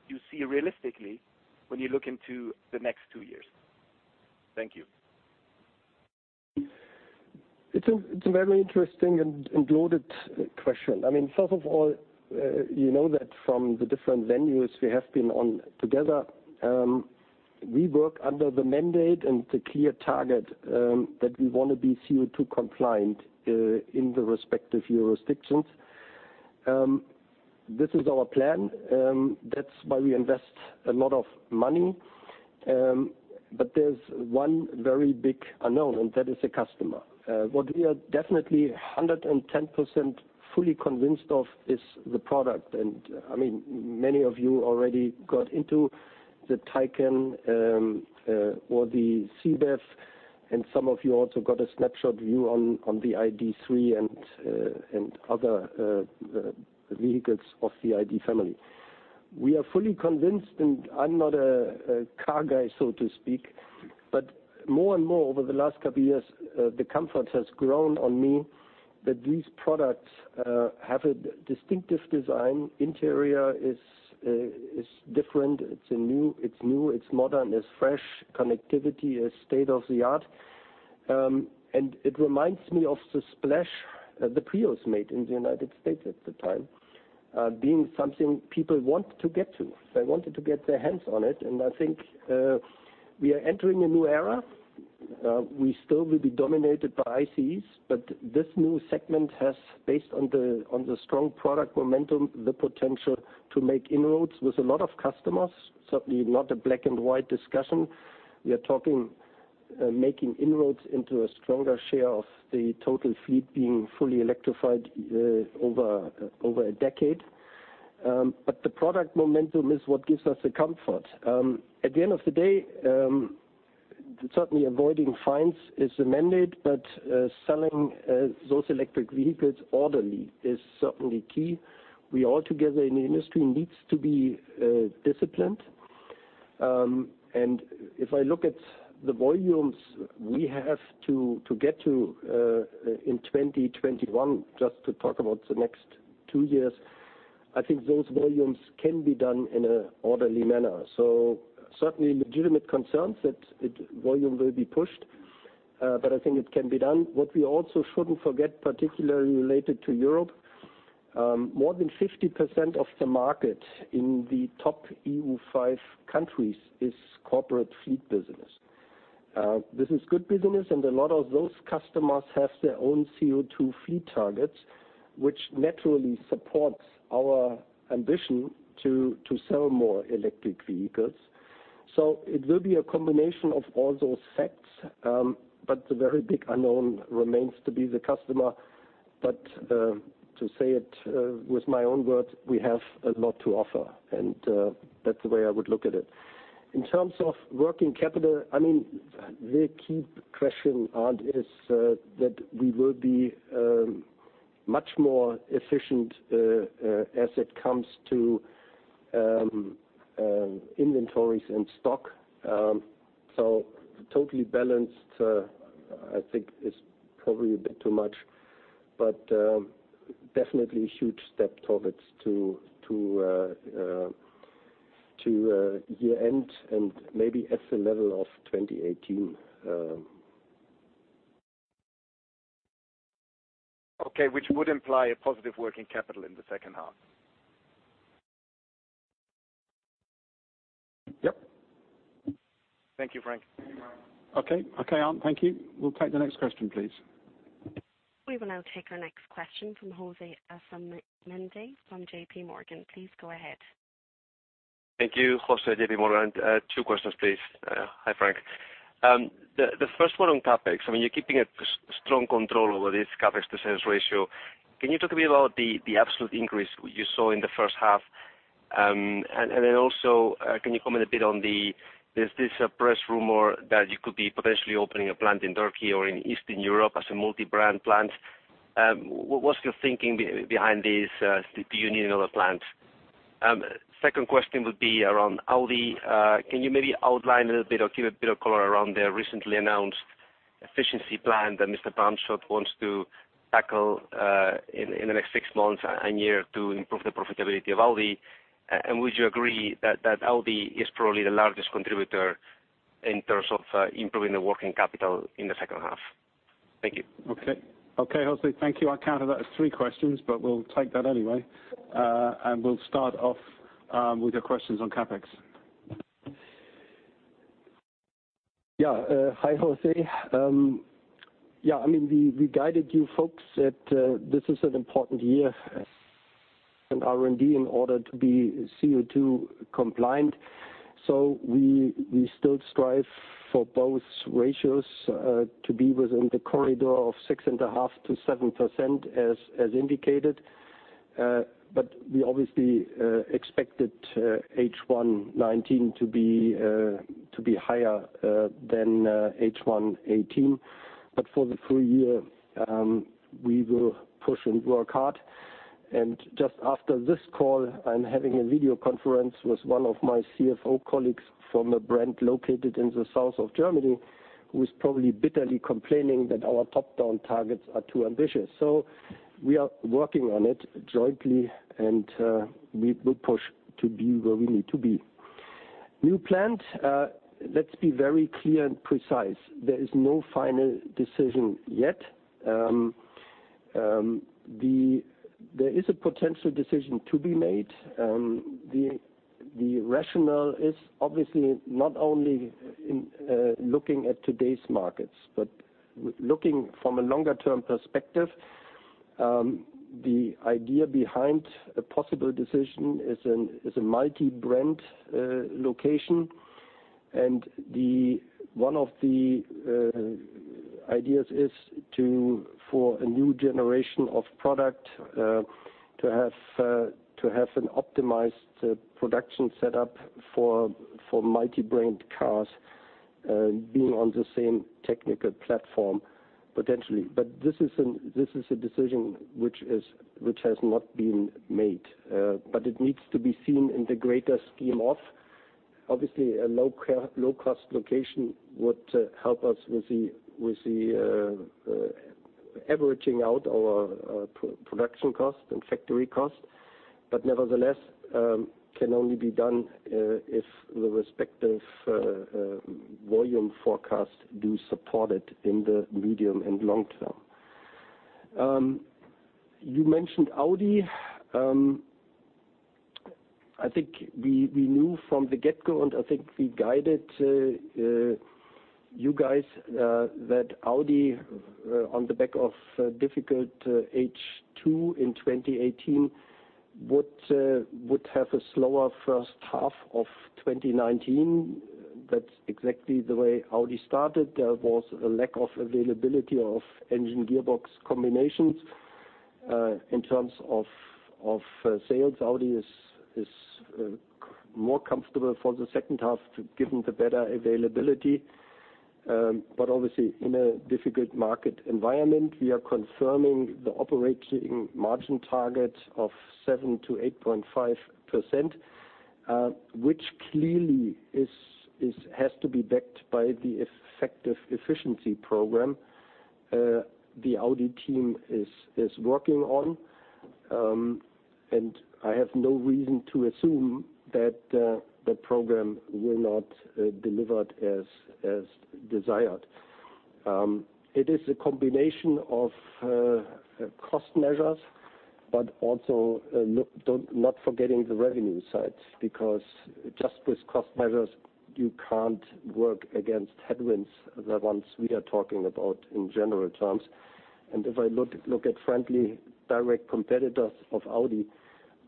you see realistically when you look into the next two years? Thank you. It's a very interesting and loaded question. First of all, you know that from the different venues we have been on together, we work under the mandate and the clear target, that we want to be CO2 compliant, in the respective jurisdictions. This is our plan. That's why we invest a lot of money. There's one very big unknown, and that is the customer. What we are definitely 110% fully convinced of is the product. Many of you already got into the Taycan or the C-BEV, and some of you also got a snapshot view on the ID.3 and other vehicles of the ID. family. We are fully convinced, and I'm not a car guy, so to speak, but more and more over the last couple years, the comfort has grown on me that these products have a distinctive design. Interior is different. It's new, it's modern, it's fresh, connectivity is state-of-the-art. It reminds me of the splash the Prius made in the U.S. at the time, being something people want to get to. They wanted to get their hands on it. I think we are entering a new era. We still will be dominated by ICEs. This new segment has, based on the strong product momentum, the potential to make inroads with a lot of customers. Certainly not a black and white discussion. We are talking, making inroads into a stronger share of the total fleet being fully electrified over a decade. The product momentum is what gives us the comfort. At the end of the day, certainly avoiding fines is a mandate. Selling those electric vehicles orderly is certainly key. We all together in the industry needs to be disciplined. If I look at the volumes we have to get to in 2021, just to talk about the next two years, I think those volumes can be done in an orderly manner. Certainly legitimate concerns that volume will be pushed, but I think it can be done. What we also shouldn't forget, particularly related to Europe, more than 50% of the market in the top EU five countries is corporate fleet business. This is good business and a lot of those customers have their own CO2 fleet targets, which naturally supports our ambition to sell more electric vehicles. It will be a combination of all those facts, but the very big unknown remains to be the customer. To say it with my own words, we have a lot to offer, and that's the way I would look at it. In terms of working capital, the key question, Arndt, is that we will be much more efficient as it comes to inventories and stock. Totally balanced, I think is probably a bit too much, but definitely a huge step towards it to year-end and maybe at the level of 2018. Okay, which would imply a positive working capital in the second half? Yep. Thank you, Frank. Okay, Arndt. Thank you. We'll take the next question, please. We will now take our next question from José Asumendi from JPMorgan. Please go ahead. Thank you. José, JPMorgan. Two questions, please. Hi, Frank. The first one on CapEx. You're keeping a strong control over this CapEx to sales ratio. Can you talk a bit about the absolute increase you saw in the first half? Also, can you comment a bit on there's this press rumor that you could be potentially opening a plant in Turkey or in Eastern Europe as a multi-brand plant. What's your thinking behind this? Do you need another plant? Second question would be around Audi. Can you maybe outline a little bit or give a bit of color around their recently announced efficiency plan that Mr. Bram Schot wants to tackle in the next six months and year to improve the profitability of Audi? Would you agree that Audi is probably the largest contributor in terms of improving the working capital in the second half? Thank you. Okay. Okay, José, thank you. I counted that as three questions, but we'll take that anyway. We'll start off with your questions on CapEx. Yeah. Hi, José. Yeah, we guided you folks that this is an important year in R&D in order to be CO2 compliant. We still strive for both ratios to be within the corridor of 6.5%-7%, as indicated. We obviously expected H1 2019 to be higher than H1 2018. For the full year, we will push and work hard. Just after this call, I'm having a video conference with one of my CFO colleagues from a brand located in the south of Germany, who's probably bitterly complaining that our top-down targets are too ambitious. We are working on it jointly, and we will push to be where we need to be. New plant, let's be very clear and precise. There is no final decision yet. There is a potential decision to be made. The rationale is obviously not only in looking at today's markets, but looking from a longer-term perspective. The idea behind a possible decision is a multi-brand location. One of the ideas is for a new generation of product to have an optimized production set up for multi-brand cars being on the same technical platform potentially. This is a decision which has not been made. It needs to be seen in the greater scheme of obviously a low-cost location would help us with the averaging out our production cost and factory cost. Nevertheless, can only be done if the respective volume forecasts do support it in the medium and long term. You mentioned Audi. I think we knew from the get-go, and I think we guided you guys that Audi, on the back of a difficult H2 in 2018, would have a slower first half of 2019. That's exactly the way Audi started. There was a lack of availability of engine gearbox combinations. In terms of sales, Audi is more comfortable for the second half given the better availability. Obviously in a difficult market environment, we are confirming the operating margin target of 7%-8.5%, which clearly has to be backed by the effective efficiency program the Audi team is working on. I have no reason to assume that the program will not deliver as desired. It is a combination of cost measures, but also not forgetting the revenue side, because just with cost measures, you can't work against headwinds, the ones we are talking about in general terms. If I look at friendly direct competitors of Audi,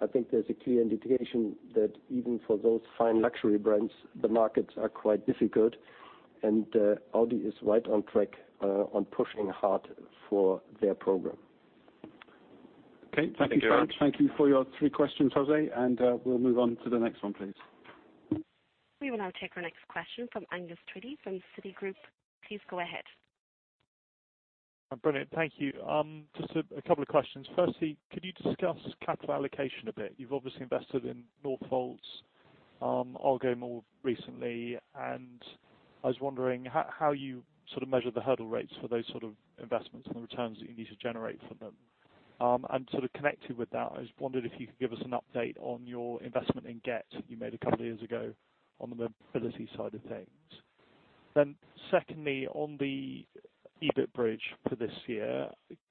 I think there's a clear indication that even for those fine luxury brands, the markets are quite difficult. Audi is right on track on pushing hard for their program. Okay. Thank you, Frank. Thank you for your three questions, José. We'll move on to the next one, please. We will now take our next question from Angus Tweedie from Citigroup. Please go ahead. Brilliant. Thank you. Just a couple of questions. Firstly, could you discuss capital allocation a bit? You've obviously invested in Northvolt Argo more recently and I was wondering how you measure the hurdle rates for those sort of investments and the returns that you need to generate from them. Connected with that, I just wondered if you could give us an update on your investment in Gett you made a couple of years ago on the mobility side of things. Secondly, on the EBIT bridge for this year,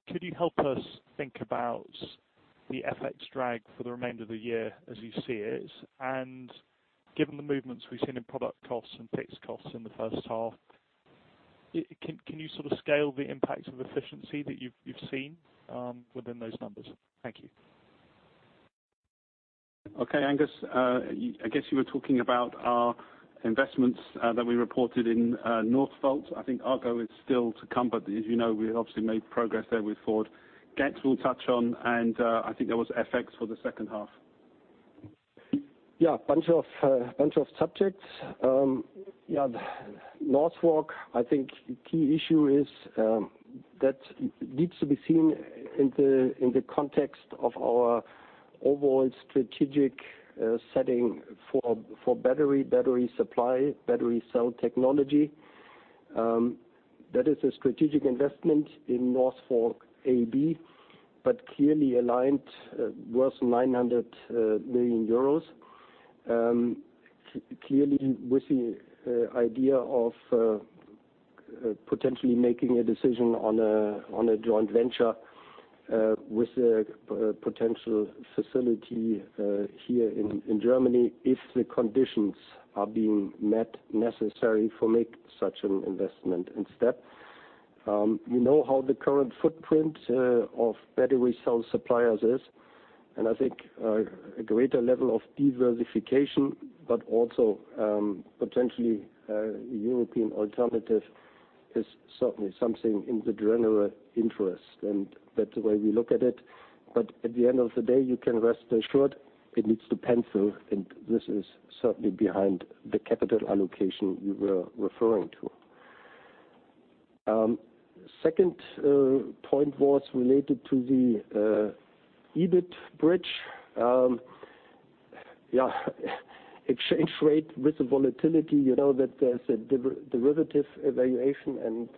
could you help us think about the FX drag for the remainder of the year as you see it? Given the movements we've seen in product costs and fixed costs in the first half, can you scale the impact of efficiency that you've seen within those numbers? Thank you. Okay, Angus, I guess you were talking about our investments that we reported in Northvolt. I think Argo is still to come, but as you know, we have obviously made progress there with Ford. Gett, we'll touch on. I think there was FX for the second half. Yeah, bunch of subjects. Northvolt, I think key issue is that needs to be seen in the context of our overall strategic setting for battery supply, battery cell technology. That is a strategic investment in Northvolt AB, but clearly aligned, worth 900 million euros. Clearly with the idea of potentially making a decision on a joint venture with a potential facility here in Germany if the conditions are being met necessary for make such an investment and step. You know how the current footprint of battery cell suppliers is, and I think a greater level of diversification, but also potentially a European alternative is certainly something in the general interest, and that's the way we look at it. At the end of the day, you can rest assured it needs to pencil, and this is certainly behind the capital allocation we were referring to. Second point was related to the EBIT bridge. Exchange rate with the volatility, you know that there's a derivative evaluation and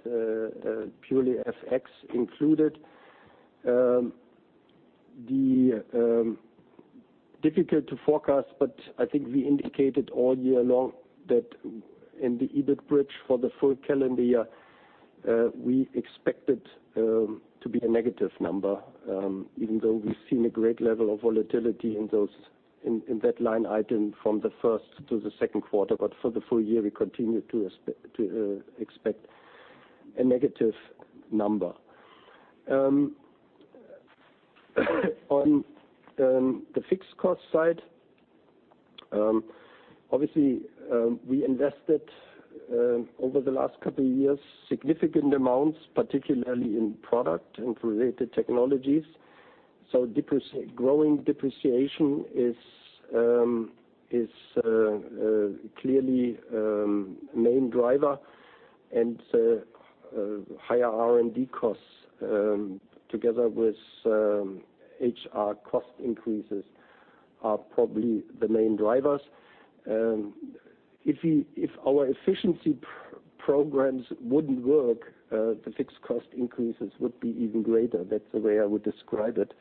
purely FX included. Difficult to forecast, I think we indicated all year long that in the EBIT bridge for the full calendar year, we expect it to be a negative number, even though we've seen a great level of volatility in that line item from the first to the second quarter. For the full year, we continue to expect a negative number. On the fixed cost side, obviously, we invested over the last couple of years, significant amounts, particularly in product and related technologies. Growing depreciation is clearly a main driver, and higher R&D costs, together with HR cost increases, are probably the main drivers. If our efficiency programs wouldn't work, the fixed cost increases would be even greater. That's the way I would describe it.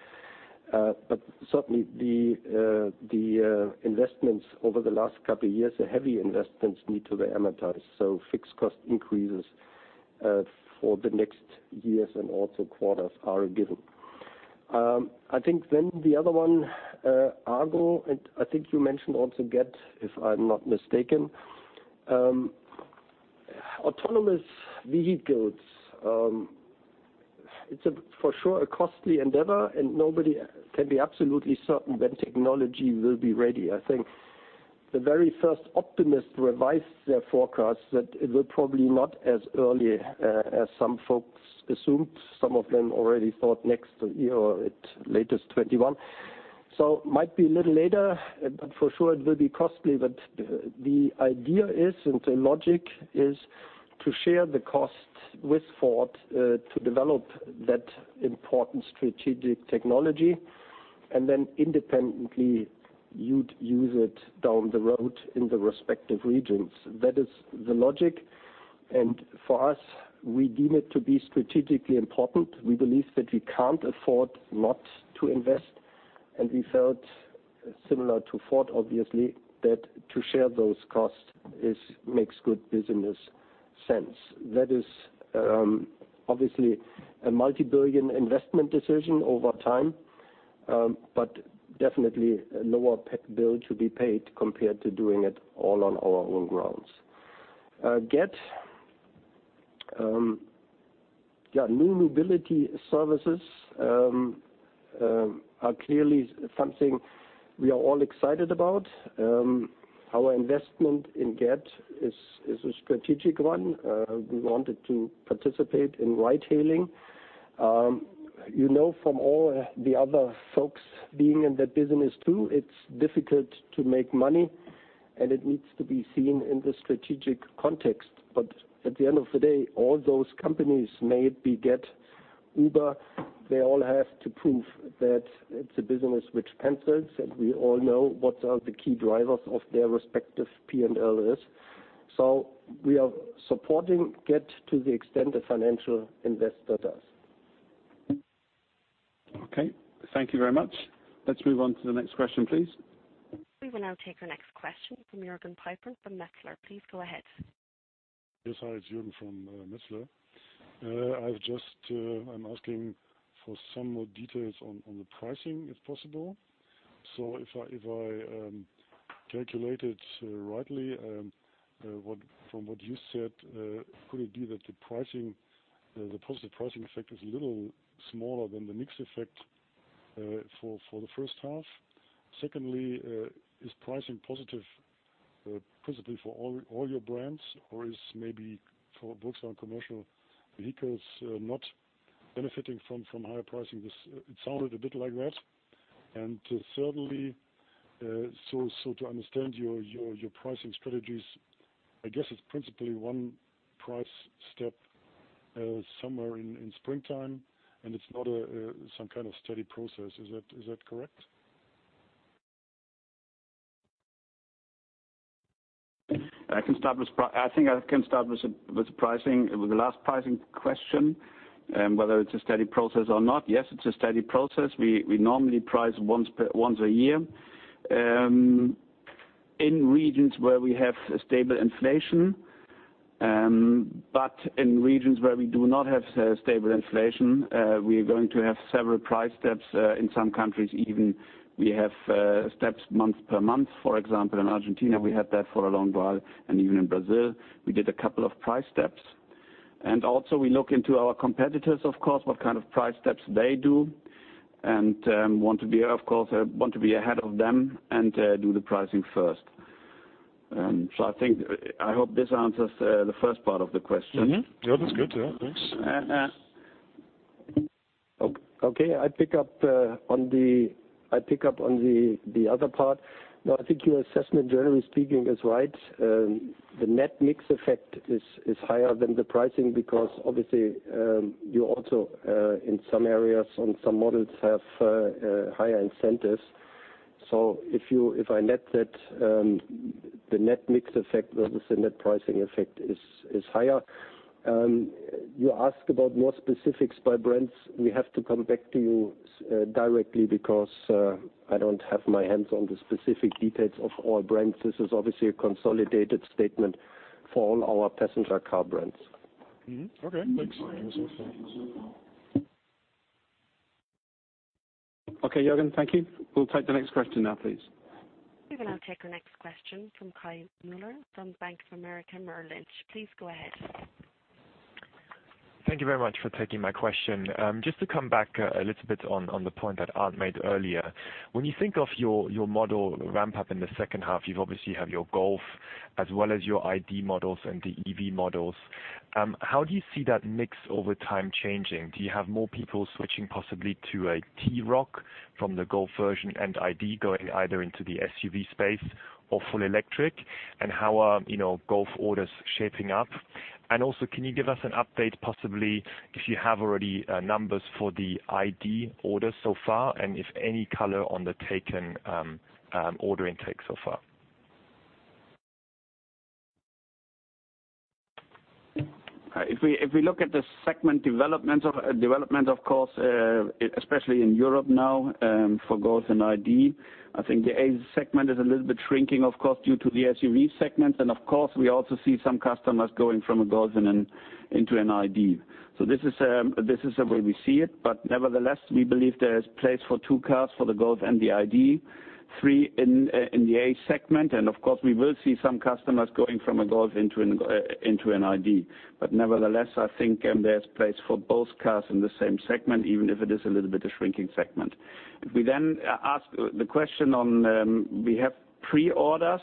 Certainly the investments over the last couple of years are heavy investments need to be amortized. Fixed cost increases for the next years and also quarters are a given. I think the other one, Argo, and I think you mentioned also Gett, if I'm not mistaken. Autonomous vehicles, it's for sure a costly endeavor, and nobody can be absolutely certain when technology will be ready. I think the very first optimists revised their forecast that it will probably not as early as some folks assumed. Some of them already thought next year or at latest 2021. Might be a little later, but for sure it will be costly. The idea is, and the logic is to share the cost with Ford to develop that important strategic technology, and then independently use it down the road in the respective regions. That is the logic. For us, we deem it to be strategically important. We believe that we can't afford not to invest, and we felt similar to Ford, obviously, that to share those costs makes good business sense. That is obviously a multi-billion investment decision over time, but definitely a lower bill to be paid compared to doing it all on our own grounds. Gett. New mobility services are clearly something we are all excited about. Our investment in Gett is a strategic one. We wanted to participate in ride-hailing. You know from all the other folks being in that business too, it's difficult to make money, and it needs to be seen in the strategic context. At the end of the day, all those companies, may it be Gett, Uber, they all have to prove that it's a business which pencils, and we all know what are the key drivers of their respective P&L is. We are supporting Gett to the extent a financial investor does. Okay, thank you very much. Let's move on to the next question, please. We will now take our next question from Jürgen Pieper from Metzler. Please go ahead. Yes. Hi, it's Jürgen from Metzler. I'm asking for some more details on the pricing, if possible. If I calculated rightly, from what you said, could it be that the positive pricing effect is a little smaller than the mix effect for the first half? Secondly, is pricing positive principally for all your brands, or is maybe for Volkswagen Commercial Vehicles not benefiting from higher pricing? It sounded a bit like that. Thirdly, to understand your pricing strategies, I guess it's principally one price step somewhere in springtime, and it's not some kind of steady process. Is that correct? I think I can start with the last pricing question, whether it's a steady process or not. Yes, it's a steady process. We normally price once a year. In regions where we have a stable inflation. In regions where we do not have stable inflation, we are going to have several price steps. In some countries even, we have steps month per month. For example, in Argentina, we had that for a long while, and even in Brazil we did a couple of price steps. Also we look into our competitors, of course, what kind of price steps they do, and want to be ahead of them and do the pricing first. I hope this answers the first part of the question. Yeah, that's good. Yeah, thanks. Okay. I pick up on the other part. I think your assessment, generally speaking, is right. The net mix effect is higher than the pricing because obviously, you also in some areas on some models have higher incentives. If I net that, the net mix effect versus the net pricing effect is higher. You ask about more specifics by brands. We have to come back to you directly because I don't have my hands on the specific details of all brands. This is obviously a consolidated statement for all our passenger car brands. Okay, thanks. Okay, Jürgen, thank you. We'll take the next question now, please. We will now take our next question from Kai Müller from Bank of America Merrill Lynch. Please go ahead. Thank you very much for taking my question. To come back a little bit on the point that Arndt made earlier. When you think of your model ramp up in the second half, you obviously have your Golf as well as your ID. models and the EV models. How do you see that mix over time changing? Do you have more people switching possibly to a T-Roc from the Golf version and ID. going either into the SUV space or full electric? How are Golf orders shaping up? Also, can you give us an update, possibly if you have already numbers for the ID. orders so far and if any color on the taken order intake so far? If we look at the segment development, of course, especially in Europe now, for Golf and ID., I think the A segment is a little bit shrinking, of course, due to the SUV segment. Of course, we also see some customers going from a Golf into an ID. This is the way we see it. Nevertheless, we believe there is place for two cars for the Golf and the ID.3 in the A segment. Of course, we will see some customers going from a Golf into an ID. Nevertheless, I think there's place for both cars in the same segment, even if it is a little bit of shrinking segment. If we then ask the question on, we have pre-orders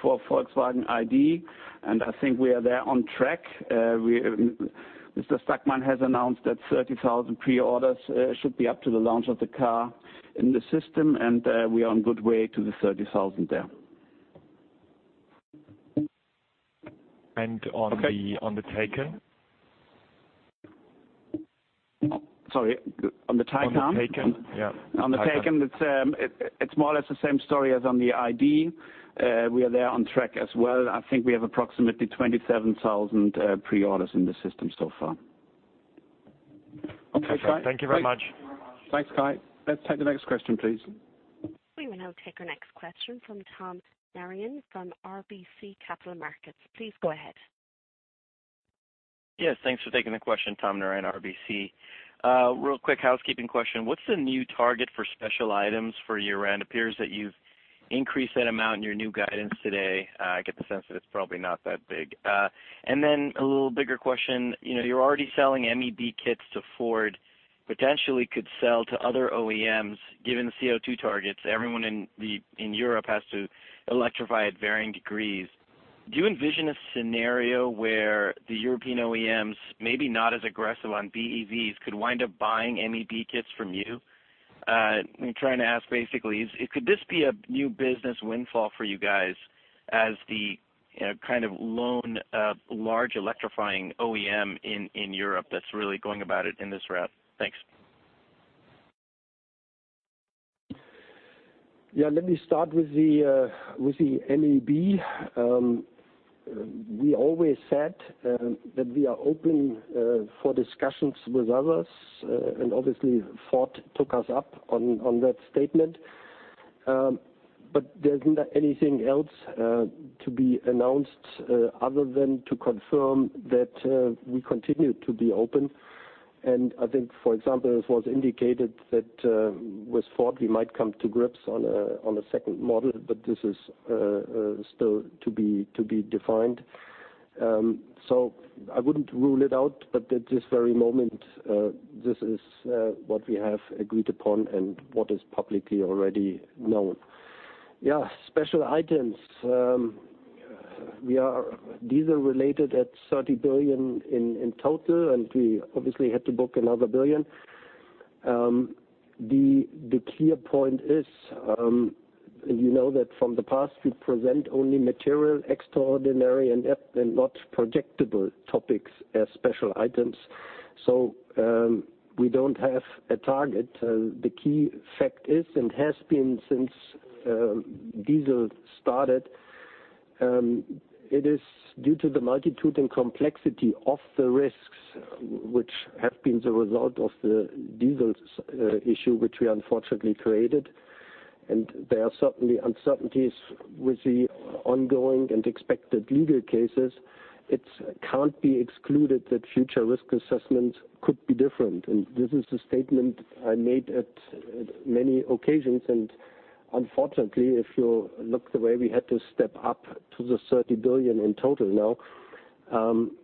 for Volkswagen ID., I think we are there on track. Mr. Stackmann has announced that 30,000 pre-orders should be up to the launch of the car in the system, and we are on good way to the 30,000 there. On the Taycan? Sorry, on the Taycan? On the Taycan. Yeah. On the Taycan it's more or less the same story as on the ID. We are there on track as well. I think we have approximately 27,000 pre-orders in the system so far. Okay. Thank you very much. Thanks, Kai. Let's take the next question, please. We will now take our next question from Tom Narayan from RBC Capital Markets. Please go ahead. Yes, thanks for taking the question. Tom Narayan, RBC. Real quick housekeeping question. What's the new target for special items for year-end? It appears that you've increased that amount in your new guidance today. I get the sense that it's probably not that big. A little bigger question. You're already selling MEB kits to Ford, potentially could sell to other OEMs given the CO2 targets. Everyone in Europe has to electrify at varying degrees. Do you envision a scenario where the European OEMs, maybe not as aggressive on BEVs, could wind up buying MEB kits from you? I'm trying to ask basically, could this be a new business windfall for you guys as the lone large electrifying OEM in Europe that's really going about it in this route? Thanks. Yeah, let me start with the MEB. We always said that we are open for discussions with others, and obviously Ford took us up on that statement. There isn't anything else to be announced other than to confirm that we continue to be open. I think, for example, it was indicated that with Ford we might come to grips on a second model, but this is still to be defined. I wouldn't rule it out, but at this very moment, this is what we have agreed upon and what is publicly already known. Yeah, special items. Diesel related at 30 billion in total, and we obviously had to book 1 billion. The clear point is, you know that from the past, we present only material, extraordinary, and not projectable topics as special items. We don't have a target. The key fact is and has been since diesel started, it is due to the multitude and complexity of the risks which have been the result of the diesel issue which we unfortunately created. There are certainly uncertainties with the ongoing and expected legal cases. It can't be excluded that future risk assessments could be different. This is a statement I made at many occasions. Unfortunately, if you look the way we had to step up to the 30 billion in total now,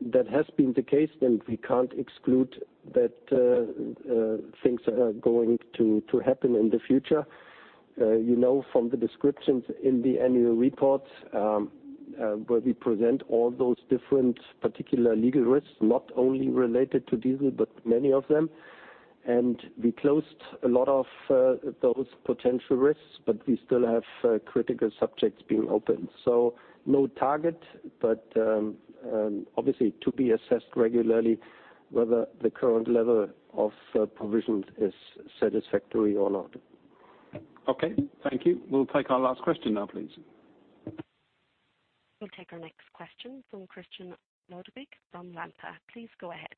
that has been the case. We can't exclude that things are going to happen in the future. You know from the descriptions in the annual report, where we present all those different particular legal risks, not only related to diesel, but many of them. We closed a lot of those potential risks, but we still have critical subjects being open. No target, but obviously to be assessed regularly whether the current level of provisions is satisfactory or not. Okay, thank you. We'll take our last question now, please. We'll take our next question from Christian Ludwig from Lampe. Please go ahead.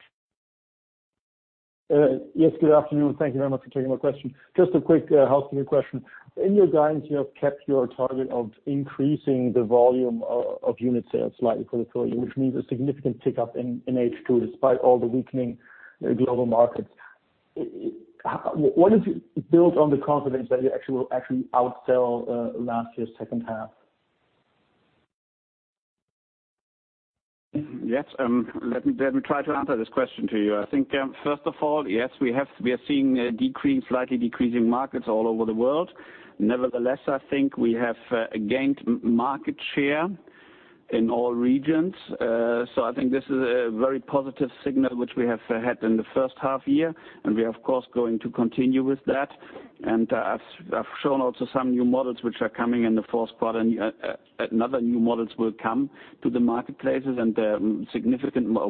Yes, good afternoon. Thank you very much for taking my question. Just a quick housekeeping question. In your guidance, you have kept your target of increasing the volume of unit sales slightly for the full year, which means a significant tick up in H2 despite all the weakening global markets. What is built on the confidence that you actually will outsell last year's second half? Yes, let me try to answer this question to you. I think, first of all, yes, we are seeing slightly decreasing markets all over the world. Nevertheless, I think we have gained market share in all regions. I think this is a very positive signal, which we have had in the first half year, and we are, of course, going to continue with that. I've shown also some new models which are coming in the fourth quarter, another new models will come to the marketplaces and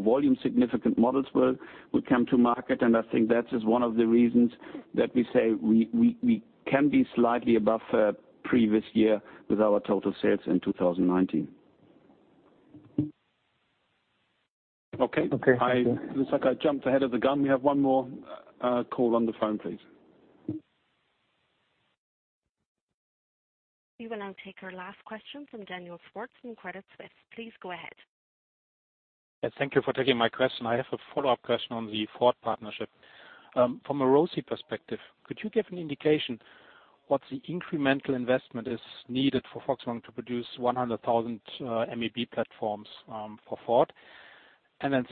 volume significant models will come to market. I think that is one of the reasons that we say we can be slightly above previous year with our total sales in 2019. Okay. Thank you. Looks like I jumped ahead of the gun. We have one more call on the phone, please. We will now take our last question from Daniel Schwarz from Credit Suisse. Please go ahead. Yes, thank you for taking my question. I have a follow-up question on the Ford partnership. From a ROIC perspective, could you give an indication what the incremental investment is needed for Volkswagen to produce 100,000 MEB platforms for Ford?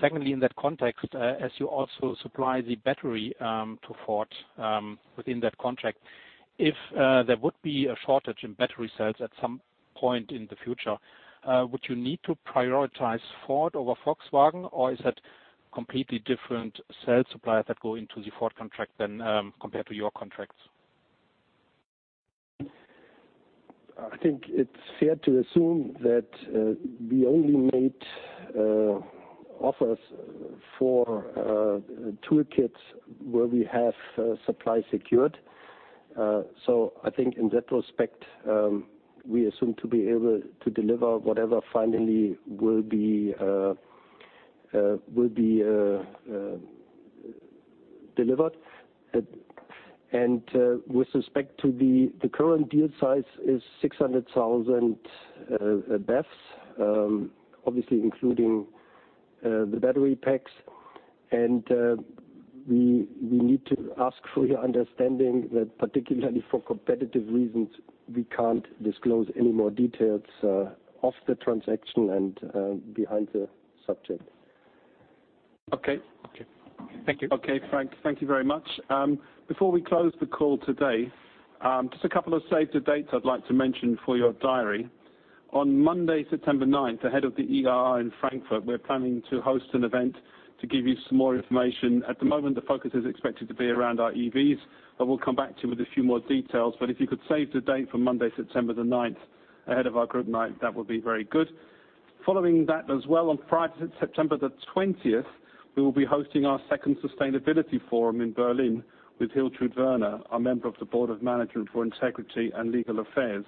Secondly, in that context, as you also supply the battery to Ford within that contract, if there would be a shortage in battery cells at some point in the future, would you need to prioritize Ford over Volkswagen or is that completely different cell suppliers that go into the Ford contract than compared to your contracts? I think it's fair to assume that we only made offers for toolkits where we have supply secured. I think in that respect, we assume to be able to deliver whatever finally will be delivered. With respect to the current deal size is 600,000 BEVs, obviously including the battery packs. We need to ask for your understanding that particularly for competitive reasons, we can't disclose any more details of the transaction and behind the subject. Okay. Thank you. Okay, Frank, thank you very much. Before we close the call today, just a couple of save the dates I'd like to mention for your diary. On Monday, September 9th, ahead of the IAA in Frankfurt, we're planning to host an event to give you some more information. At the moment, the focus is expected to be around our EVs, we'll come back to you with a few more details. If you could save the date for Monday, September the 9th ahead of our group night, that would be very good. Following that as well, on Friday, September the 20th, we will be hosting our second sustainability forum in Berlin with Hiltrud Werner, our Member of the Board of Management for Integrity and Legal Affairs.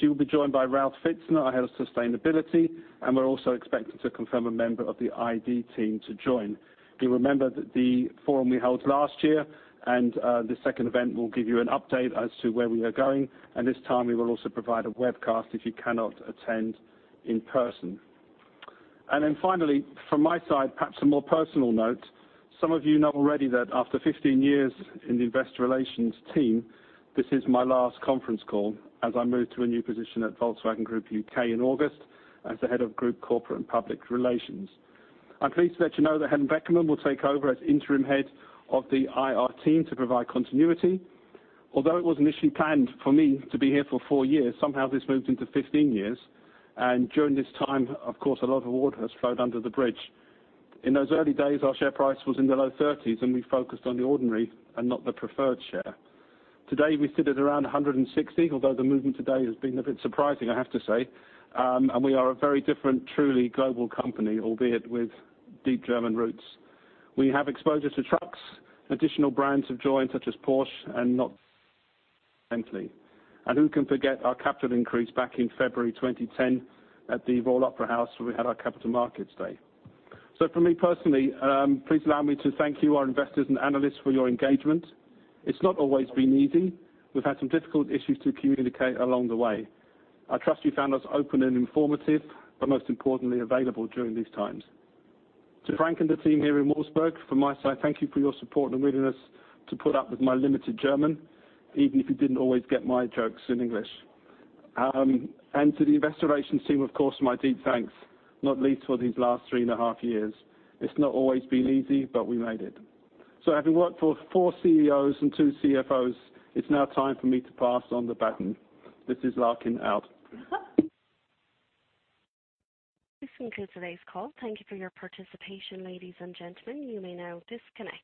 She will be joined by Ralf Pfitzner, our head of sustainability. We're also expecting to confirm a member of the ID team to join. You remember the forum we held last year. The second event will give you an update as to where we are going. This time we will also provide a webcast if you cannot attend in person. Finally, from my side, perhaps a more personal note. Some of you know already that after 15 years in the investor relations team, this is my last conference call as I move to a new position at Volkswagen Group U.K. in August as the head of group corporate and public relations. I'm pleased to let you know that Helen Beckermann will take over as interim Head of the IR team to provide continuity. Although it was initially planned for me to be here for four years, somehow this moved into 15 years, and during this time, of course, a lot of water has flowed under the bridge. In those early days, our share price was in the low 30s, and we focused on the ordinary and not the preferred share. Today, we sit at around 160, although the movement today has been a bit surprising, I have to say. We are a very different, truly global company, albeit with deep German roots. We have exposure to trucks. Additional brands have joined, such as Porsche and Bentley. Who can forget our capital increase back in February 2010 at the Royal Opera House where we had our Capital Markets Day. For me personally, please allow me to thank you, our investors and analysts, for your engagement. It's not always been easy. We've had some difficult issues to communicate along the way. I trust you found us open and informative, but most importantly, available during these times. To Frank and the team here in Wolfsburg, from my side, thank you for your support and willingness to put up with my limited German, even if you didn't always get my jokes in English. To the investor relations team, of course, my deep thanks, not least for these last three and a half years. It's not always been easy, but we made it. Having worked for four CEOs and two CFOs, it's now time for me to pass on the baton. This is Larkin out. This concludes today's call. Thank you for your participation, ladies and gentlemen. You may now disconnect.